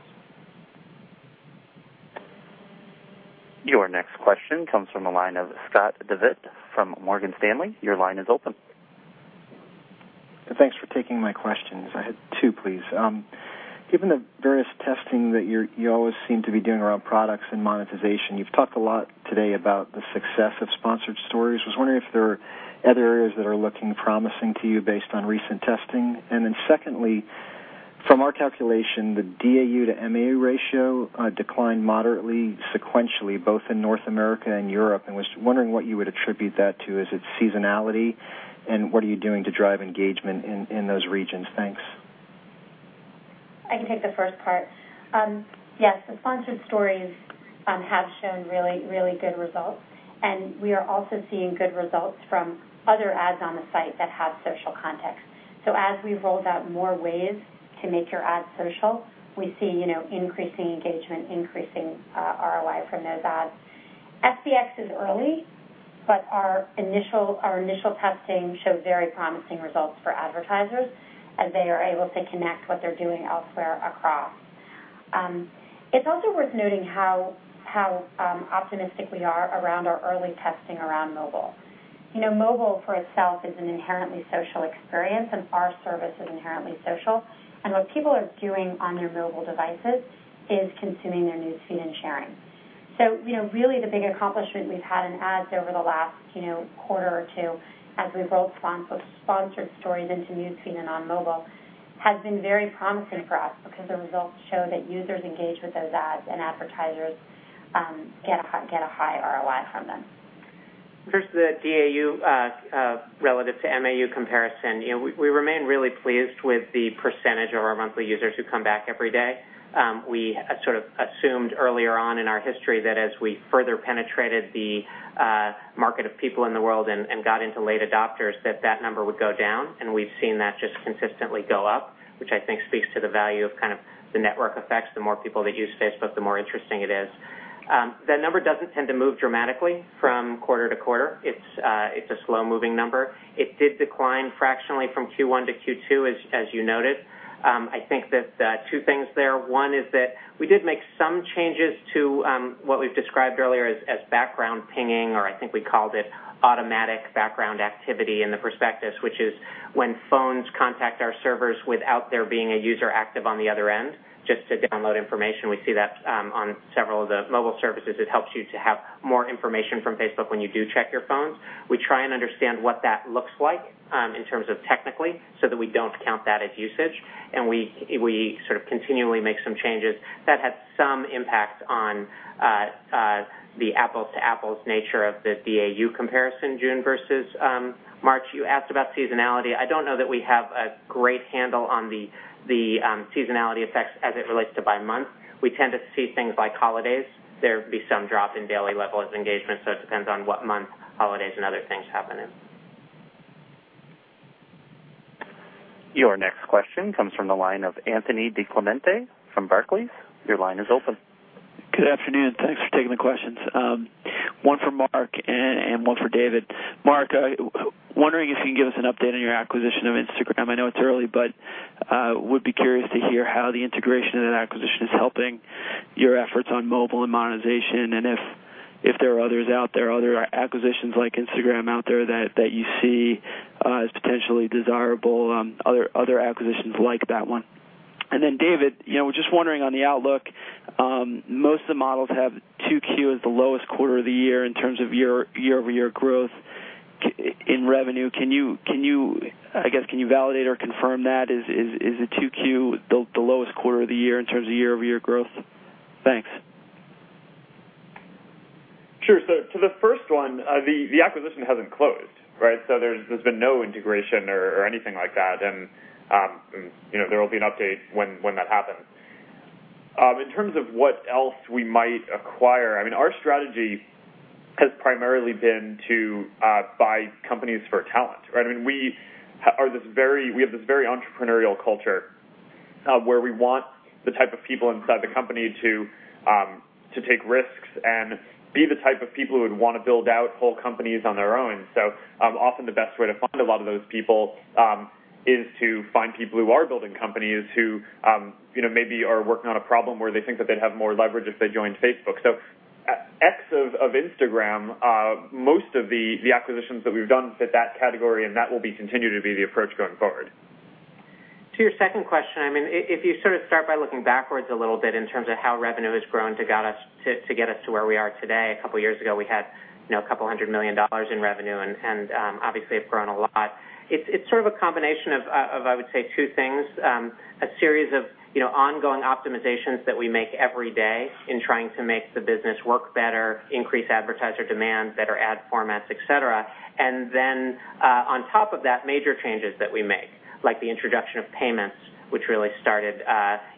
Your next question comes from the line of Scott Devitt from Morgan Stanley. Your line is open. Thanks for taking my questions. I had two, please. Given the various testing that you always seem to be doing around products and monetization, you've talked a lot today about the success of Sponsored Stories. I was wondering if there are other areas that are looking promising to you based on recent testing? Secondly, from our calculation, the DAU to MAU ratio declined moderately sequentially, both in North America and Europe, was wondering what you would attribute that to. Is it seasonality? What are you doing to drive engagement in those regions? Thanks. I can take the first part. Yes, the Sponsored Stories have shown really good results. We are also seeing good results from other ads on the site that have social context. As we've rolled out more ways to make your ads social, we see increasing engagement, increasing ROI from those ads. FBX is early, but our initial testing showed very promising results for advertisers as they are able to connect what they're doing elsewhere across. It's also worth noting how optimistic we are around our early testing around mobile. Mobile for itself is an inherently social experience. Our service is inherently social. What people are doing on their mobile devices is consuming their News Feed and sharing. Really the big accomplishment we've had in ads over the last quarter or two as we've rolled Sponsored Stories into News Feed and on mobile has been very promising for us because the results show that users engage with those ads and advertisers get a high ROI from them. As far as the DAU relative to MAU comparison, we remain really pleased with the percentage of our monthly users who come back every day. We sort of assumed earlier on in our history that as we further penetrated the market of people in the world and got into late adopters, that number would go down, and we've seen that just consistently go up, which I think speaks to the value of kind of the network effects. The more people that use Facebook, the more interesting it is. That number doesn't tend to move dramatically from quarter-to-quarter. It's a slow-moving number. It did decline fractionally from Q1 to Q2, as you noted. I think that two things there. One is that we did make some changes to what we've described earlier as background pinging, or I think we called it automatic background activity in the prospectus, which is when phones contact our servers without there being a user active on the other end, just to download information. We see that on several of the mobile services. It helps you to have more information from Facebook when you do check your phones. We try and understand what that looks like in terms of technically, so that we don't count that as usage, and we sort of continually make some changes. That had some impact on the apples-to-apples nature of the DAU comparison, June versus March. You asked about seasonality. I don't know that we have a great handle on the seasonality effects as it relates to by month. We tend to see things like holidays. There'd be some drop in daily levels engagement. It depends on what month holidays and other things happen in. Your next question comes from the line of Anthony DiClemente from Barclays. Your line is open. Good afternoon. Thanks for taking the questions. One for Mark and one for David. Mark, wondering if you can give us an update on your acquisition of Instagram. I know it's early, but would be curious to hear how the integration and acquisition is helping your efforts on mobile and monetization, and if there are others out there, other acquisitions like Instagram out there that you see as potentially desirable, other acquisitions like that one. David, just wondering on the outlook, most of the models have 2Q as the lowest quarter of the year in terms of year-over-year growth in revenue. I guess, can you validate or confirm that? Is the 2Q the lowest quarter of the year in terms of year-over-year growth? Thanks. Sure. To the first one, the acquisition hasn't closed, right? There's been no integration or anything like that, and there will be an update when that happens. In terms of what else we might acquire, our strategy has primarily been to buy companies for talent, right? We have this very entrepreneurial culture where we want the type of people inside the company to take risks and be the type of people who would want to build out whole companies on their own. Often the best way to find a lot of those people is to find people who are building companies who maybe are working on a problem where they think that they'd have more leverage if they joined Facebook. X of Instagram, most of the acquisitions that we've done fit that category, and that will continue to be the approach going forward. To your second question, if you sort of start by looking backwards a little bit in terms of how revenue has grown to get us to where we are today. A couple of years ago, we had $200 million in revenue, and obviously have grown a lot. It's sort of a combination of, I would say, two things. A series of ongoing optimizations that we make every day in trying to make the business work better, increase advertiser demand, better ad formats, et cetera. On top of that, major changes that we make, like the introduction of payments, which really started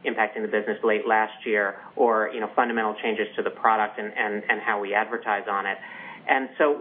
impacting the business late last year, or fundamental changes to the product and how we advertise on it.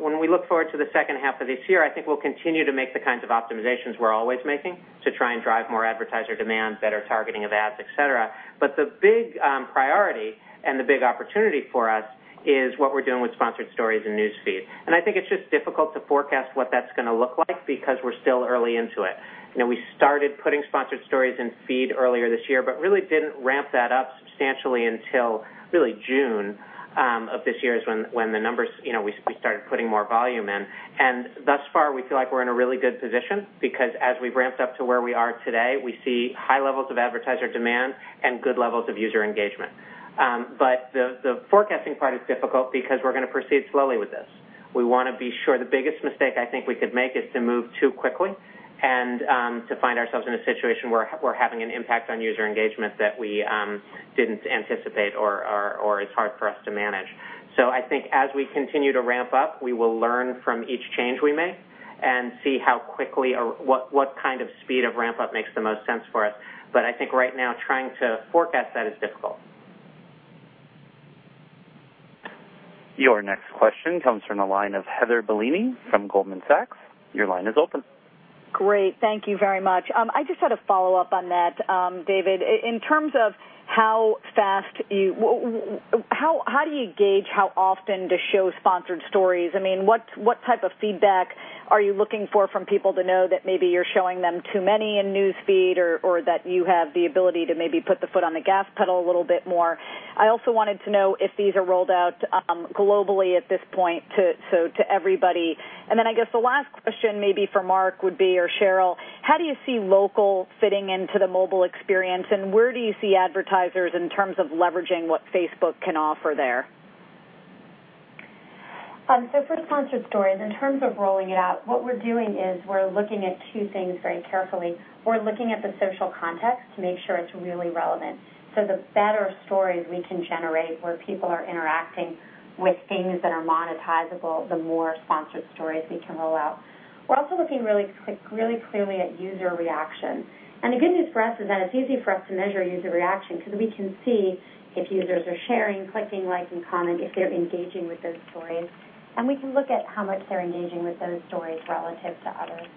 When we look forward to the second half of this year, I think we'll continue to make the kinds of optimizations we're always making to try and drive more advertiser demand, better targeting of ads, et cetera. The big priority and the big opportunity for us is what we're doing with Sponsored Stories and News Feed. I think it's just difficult to forecast what that's going to look like because we're still early into it. We started putting Sponsored Stories in News Feed earlier this year, but really didn't ramp that up substantially until really June of this year, is when the numbers, we started putting more volume in. Thus far, we feel like we're in a really good position because as we've ramped up to where we are today, we see high levels of advertiser demand and good levels of user engagement. The forecasting part is difficult because we're going to proceed slowly with this. We want to be sure. The biggest mistake I think we could make is to move too quickly and to find ourselves in a situation where we're having an impact on user engagement that we didn't anticipate or is hard for us to manage. I think as we continue to ramp up, we will learn from each change we make and see how quickly or what kind of speed of ramp-up makes the most sense for us. I think right now, trying to forecast that is difficult. Your next question comes from the line of Heather Bellini from Goldman Sachs. Your line is open. Great. Thank you very much. I just had a follow-up on that, David. In terms of how do you gauge how often to show Sponsored Stories? What type of feedback are you looking for from people to know that maybe you're showing them too many in News Feed or that you have the ability to maybe put the foot on the gas pedal a little bit more? I also wanted to know if these are rolled out globally at this point, so to everybody. I guess the last question maybe for Mark would be, or Sheryl, how do you see local fitting into the mobile experience, and where do you see advertisers in terms of leveraging what Facebook can offer there? For Sponsored Stories, in terms of rolling it out, what we're doing is we're looking at two things very carefully. We're looking at the social context to make sure it's really relevant. The better stories we can generate where people are interacting with things that are monetizable, the more Sponsored Stories we can roll out. We're also looking really clearly at user reaction. The good news for us is that it's easy for us to measure user reaction because we can see if users are sharing, clicking like and comment, if they're engaging with those stories. We can look at how much they're engaging with those stories relative to others.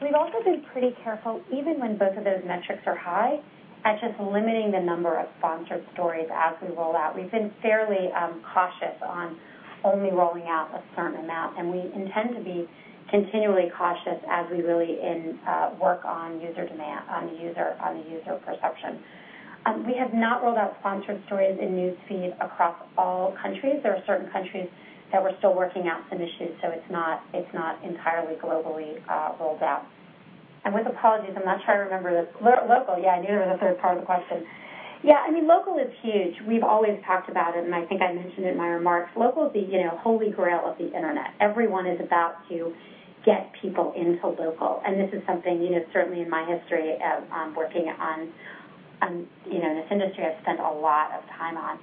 We've also been pretty careful, even when both of those metrics are high, at just limiting the number of Sponsored Stories as we roll out. We've been fairly cautious on only rolling out a certain amount. We intend to be continually cautious as we really work on user demand, on user perception. We have not rolled out Sponsored Stories in News Feed across all countries. There are certain countries that we're still working out some issues. It's not entirely globally rolled out. With apologies, I'm not sure I remember this. Local. Yeah, I knew there was a third part of the question. Yeah, local is huge. We've always talked about it. I think I mentioned in my remarks, local is the holy grail of the internet. Everyone is about to get people into local. This is something, certainly in my history of working in this industry, I've spent a lot of time on.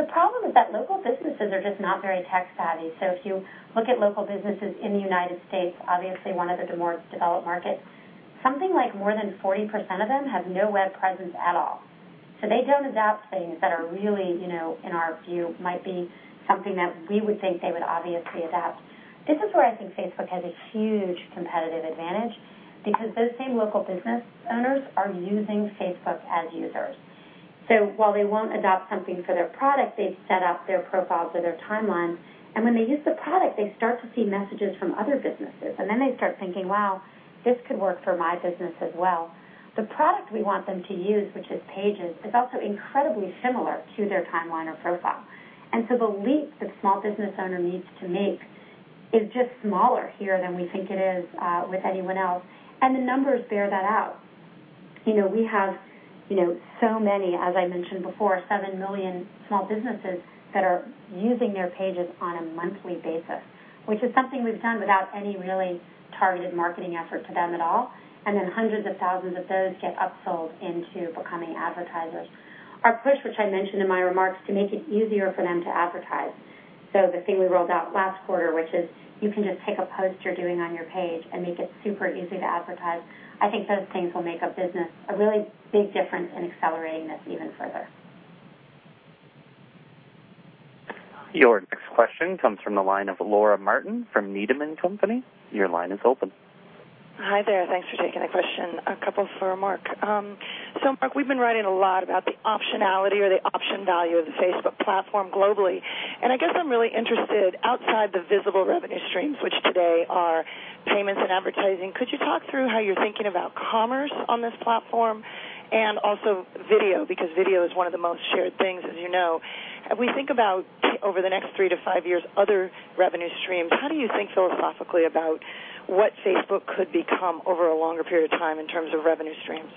The problem is that local businesses are just not very tech-savvy. If you look at local businesses in the U.S., obviously one of the more developed markets, something like more than 40% of them have no web presence at all. They don't adopt things that are really, in our view, might be something that we would think they would obviously adopt. This is where I think Facebook has a huge competitive advantage because those same local business owners are using Facebook as users. While they won't adopt something for their product, they've set up their profiles or their timelines. When they use the product, they start to see messages from other businesses. They start thinking, "Wow, this could work for my business as well." The product we want them to use, which is Pages, is also incredibly similar to their timeline or profile. The leap the small business owner needs to make is just smaller here than we think it is with anyone else. The numbers bear that out. We have so many, as I mentioned before, 7 million small businesses that are using their Pages on a monthly basis, which is something we've done without any really targeted marketing effort to them at all. Hundreds of thousands of those get upsold into becoming advertisers. Our push, which I mentioned in my remarks, to make it easier for them to advertise. The thing we rolled out last quarter, which is you can just take a post you're doing on your Page and make it super easy to advertise. I think those things will make a business a really big difference in accelerating this even further. Your next question comes from the line of Laura Martin from Needham & Company. Your line is open. Hi there. Thanks for taking the question. A couple for Mark. Mark, we've been writing a lot about the optionality or the option value of the Facebook platform globally, and I guess I'm really interested outside the visible revenue streams, which today are payments and advertising. Could you talk through how you're thinking about commerce on this platform and also video? Because video is one of the most shared things as you know. If we think about over the next three to five years, other revenue streams, how do you think philosophically about what Facebook could become over a longer period of time in terms of revenue streams?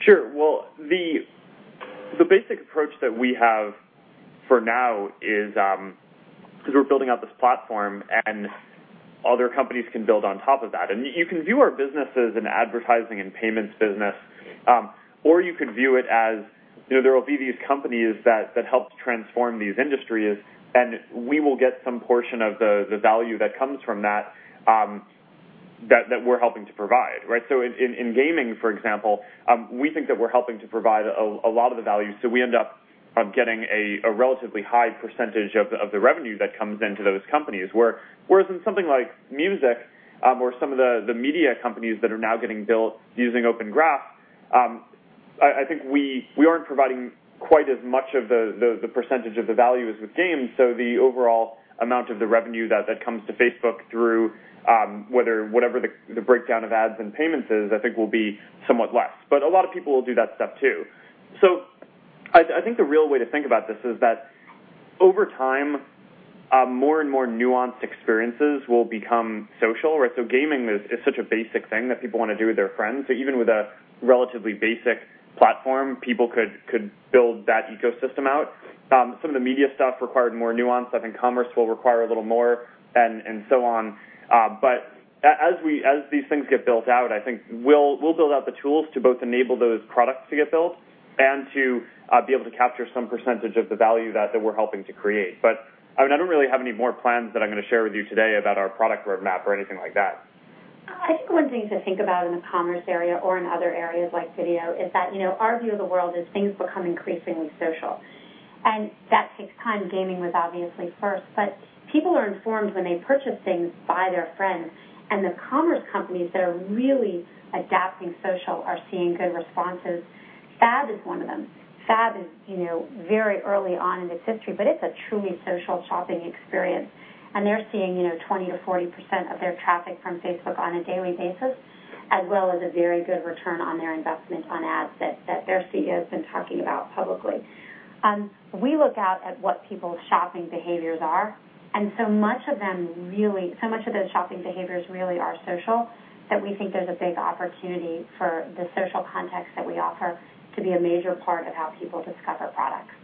Sure. The basic approach that we have for now is because we're building out this platform and other companies can build on top of that, and you can view our business as an advertising and payments business. You could view it as there will be these companies that help to transform these industries, and we will get some portion of the value that comes from that we're helping to provide, right? In gaming, for example, we think that we're helping to provide a lot of the value, we end up getting a relatively high percentage of the revenue that comes into those companies. Whereas in something like music or some of the media companies that are now getting built using Open Graph, I think we aren't providing quite as much of the percentage of the value as with games. The overall amount of the revenue that comes to Facebook through whatever the breakdown of ads and payments is, I think will be somewhat less. A lot of people will do that stuff, too. I think the real way to think about this is that over time, more and more nuanced experiences will become social, right? Gaming is such a basic thing that people want to do with their friends. Even with a relatively basic platform, people could build that ecosystem out. Some of the media stuff required more nuance. I think commerce will require a little more, and so on. As these things get built out, I think we'll build out the tools to both enable those products to get built and to be able to capture some percentage of the value that we're helping to create. I don't really have any more plans that I'm going to share with you today about our product roadmap or anything like that. I think one thing to think about in the commerce area or in other areas like video, is that our view of the world is things become increasingly social, and that takes time. Gaming was obviously first, but people are informed when they purchase things by their friends, and the commerce companies that are really adapting social are seeing good responses. Fab is one of them. Fab is very early on in its history, but it's a truly social shopping experience, and they're seeing 20%-40% of their traffic from Facebook on a daily basis, as well as a very good return on their investment on ads that their CEO's been talking about publicly. We look out at what people's shopping behaviors are, so much of those shopping behaviors really are social, that we think there's a big opportunity for the social context that we offer to be a major part of how people discover products.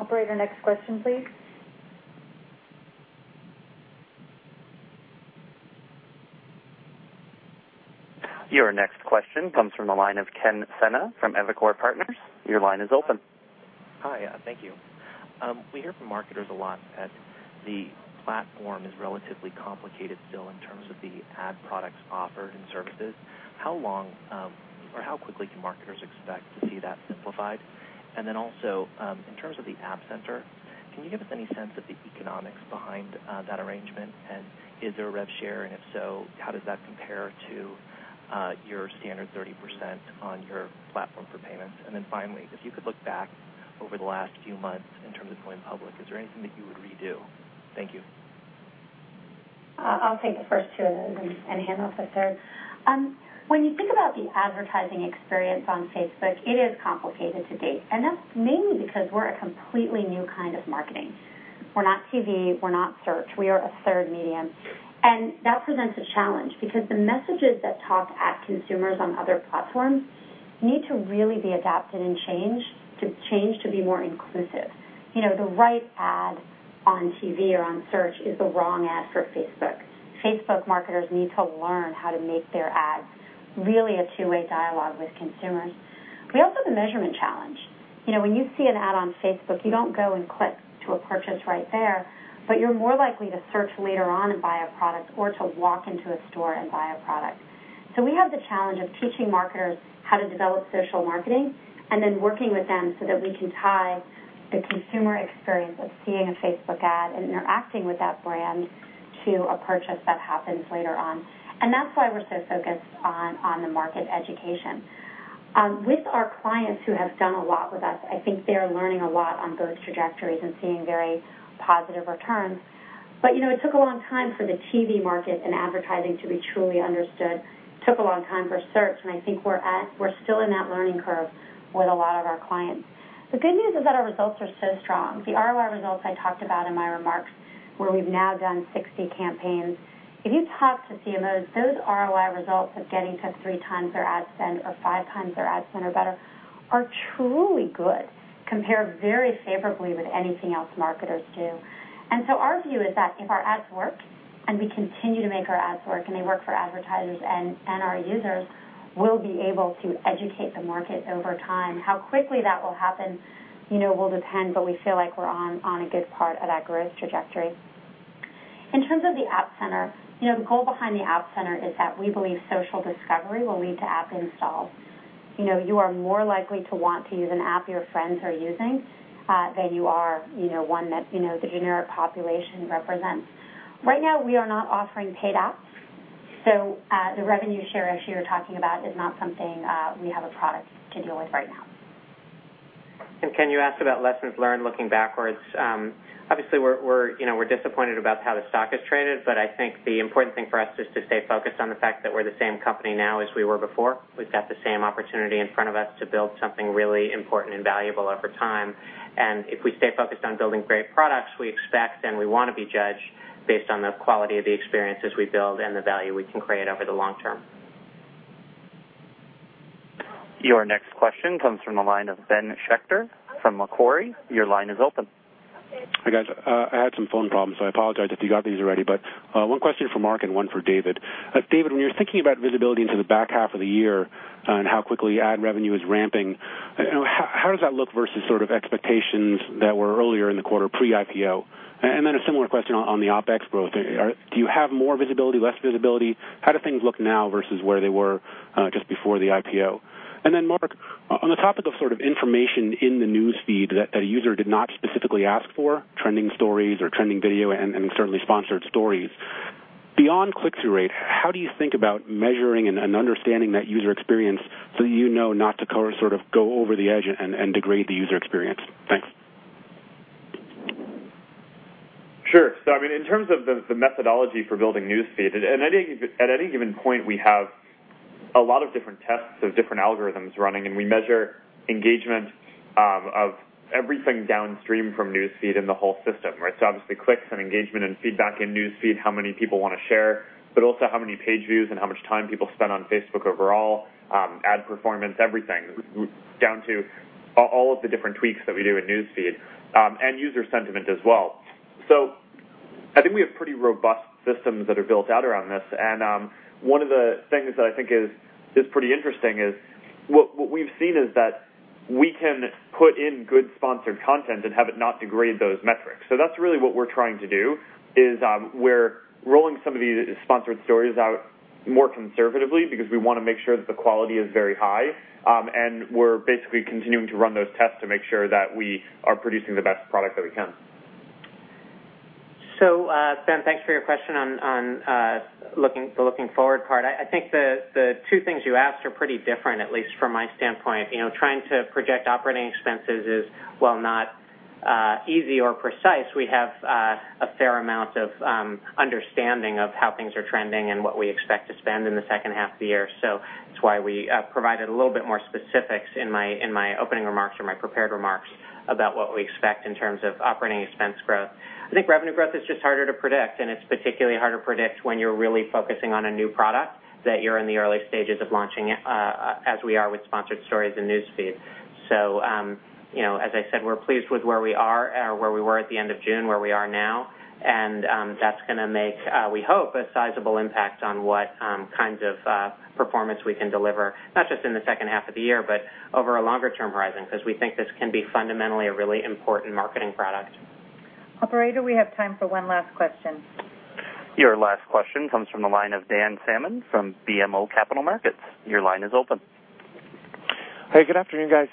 Operator, next question, please. Your next question comes from the line of Kenneth Sena from Evercore Partners. Your line is open. Hi. Thank you. We hear from marketers a lot that the platform is relatively complicated still in terms of the ad products offered and services. How long or how quickly can marketers expect to see that simplified? Also, in terms of the App Center, can you give us any sense of the economics behind that arrangement? Is there a rev share? If so, how does that compare to your standard 30% on your platform for payments? Finally, if you could look back over the last few months in terms of going public, is there anything that you would redo? Thank you. I'll take the first two of those, and hand over the third. When you think about the advertising experience on Facebook, it is complicated to date, and that's mainly because we're a completely new kind of marketing. We're not TV, we're not search. We are a third medium. That presents a challenge because the messages that talk at consumers on other platforms need to really be adapted and changed to be more inclusive. The right ad on TV or on search is the wrong ad for Facebook. Facebook marketers need to learn how to make their ads really a two-way dialogue with consumers. We also have a measurement challenge. When you see an ad on Facebook, you don't go and click to a purchase right there, but you're more likely to search later on and buy a product or to walk into a store and buy a product. We have the challenge of teaching marketers how to develop social marketing and then working with them so that we can tie the consumer experience of seeing a Facebook ad and interacting with that brand to a purchase that happens later on. That's why we're so focused on the market education. With our clients who have done a lot with us, I think they are learning a lot on growth trajectories and seeing very positive returns. It took a long time for the TV market and advertising to be truly understood. It took a long time for search, I think we're still in that learning curve with a lot of our clients. The good news is that our results are so strong. The ROI results I talked about in my remarks, where we've now done 60 campaigns, if you talk to CMOs, those ROI results of getting to three times their ad spend or five times their ad spend or better are truly good, compare very favorably with anything else marketers do. Our view is that if our ads work and we continue to make our ads work and they work for advertisers and our users, we'll be able to educate the market over time. How quickly that will happen will depend, but we feel like we're on a good part of that growth trajectory. In terms of the App Center, the goal behind the App Center is that we believe social discovery will lead to app installs. You are more likely to want to use an app your friends are using, than you are one that the generic population represents. Right now, we are not offering paid apps, so the revenue share issue you're talking about is not something we have a product to deal with right now. Ken, you asked about lessons learned looking backwards. Obviously, we're disappointed about how the stock has traded, I think the important thing for us is to stay focused on the fact that we're the same company now as we were before. We've got the same opportunity in front of us to build something really important and valuable over time. If we stay focused on building great products, we expect and we want to be judged based on the quality of the experiences we build and the value we can create over the long term. Your next question comes from the line of Ben Schachter from Macquarie. Your line is open. Hi, guys. I had some phone problems, I apologize if you got these already, one question for Mark and one for David. David Ebersman, when you're thinking about visibility into the back half of the year and how quickly ad revenue is ramping, how does that look versus sort of expectations that were earlier in the quarter pre-IPO? A similar question on the OpEx growth. Do you have more visibility, less visibility? How do things look now versus where they were just before the IPO? Mark, on the topic of sort of information in the News Feed that a user did not specifically ask for, trending stories or trending video and certainly Sponsored Stories. Beyond click-through rate, how do you think about measuring and understanding that user experience so you know not to sort of go over the edge and degrade the user experience? Thanks. Sure. I mean, in terms of the methodology for building News Feed, at any given point, we have a lot of different tests of different algorithms running, we measure engagement of everything downstream from News Feed in the whole system, right? Obviously clicks and engagement and feedback in News Feed, how many people want to share, also how many page views and how much time people spend on Facebook overall, ad performance, everything down to all of the different tweaks that we do in News Feed, user sentiment as well. I think we have pretty robust systems that are built out around this, one of the things that I think is pretty interesting is what we've seen is that we can put in good sponsored content and have it not degrade those metrics. That's really what we're trying to do, is we're rolling some of these Sponsored Stories out more conservatively because we want to make sure that the quality is very high. We're basically continuing to run those tests to make sure that we are producing the best product that we can. Ben, thanks for your question on the looking forward part. I think the two things you asked are pretty different, at least from my standpoint. Trying to project operating expenses is, while not easy or precise, we have a fair amount of understanding of how things are trending and what we expect to spend in the second half of the year. That's why we provided a little bit more specifics in my opening remarks or my prepared remarks about what we expect in terms of operating expense growth. I think revenue growth is just harder to predict, and it's particularly hard to predict when you're really focusing on a new product that you're in the early stages of launching, as we are with Sponsored Stories and News Feed. As I said, we're pleased with where we are, where we were at the end of June, where we are now, and that's going to make, we hope, a sizable impact on what kinds of performance we can deliver, not just in the second half of the year, but over a longer-term horizon, because we think this can be fundamentally a really important marketing product. Operator, we have time for one last question. Your last question comes from the line of Daniel Salmon from BMO Capital Markets. Your line is open. Hey, good afternoon, guys.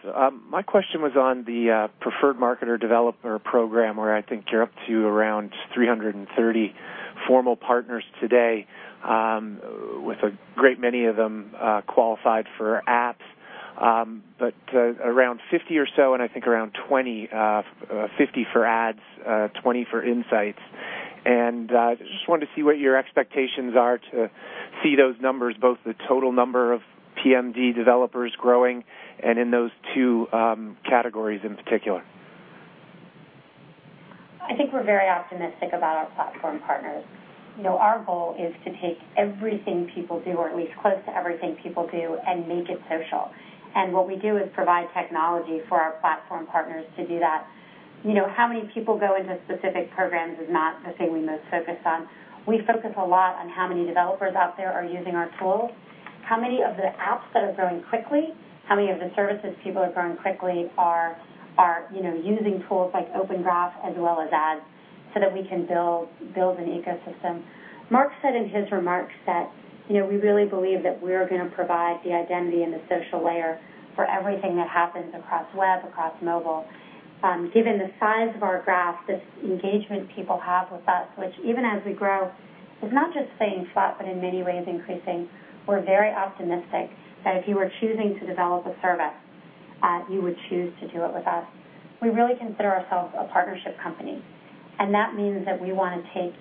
My question was on the Preferred Marketing Developer program, where I think you're up to around 330 formal partners today, with a great many of them qualified for apps. Around 50 or so, I think around 20, 50 for ads, 20 for insights. Just wanted to see what your expectations are to see those numbers, both the total number of PMD developers growing and in those two categories in particular. I think we're very optimistic about our platform partners. Our goal is to take everything people do, or at least close to everything people do, and make it social. What we do is provide technology for our platform partners to do that. How many people go into specific programs is not the thing we most focus on. We focus a lot on how many developers out there are using our tools, how many of the apps that are growing quickly, how many of the services people are growing quickly are using tools like Open Graph as well as ads, so that we can build an ecosystem. Mark said in his remarks that we really believe that we're going to provide the identity and the social layer for everything that happens across web, across mobile. Given the size of our graph, this engagement people have with us, which even as we grow, is not just staying flat, but in many ways increasing. We're very optimistic that if you were choosing to develop a service, you would choose to do it with us. We really consider ourselves a partnership company, that means that we want to take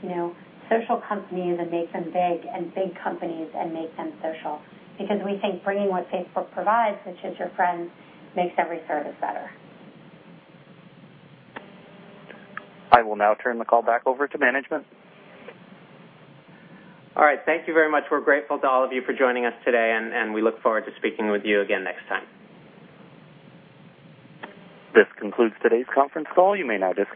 social companies and make them big and big companies and make them social. We think bringing what Facebook provides, which is your friends, makes every service better. I will now turn the call back over to management. All right. Thank you very much. We're grateful to all of you for joining us today. We look forward to speaking with you again next time. This concludes today's conference call. You may now disconnect.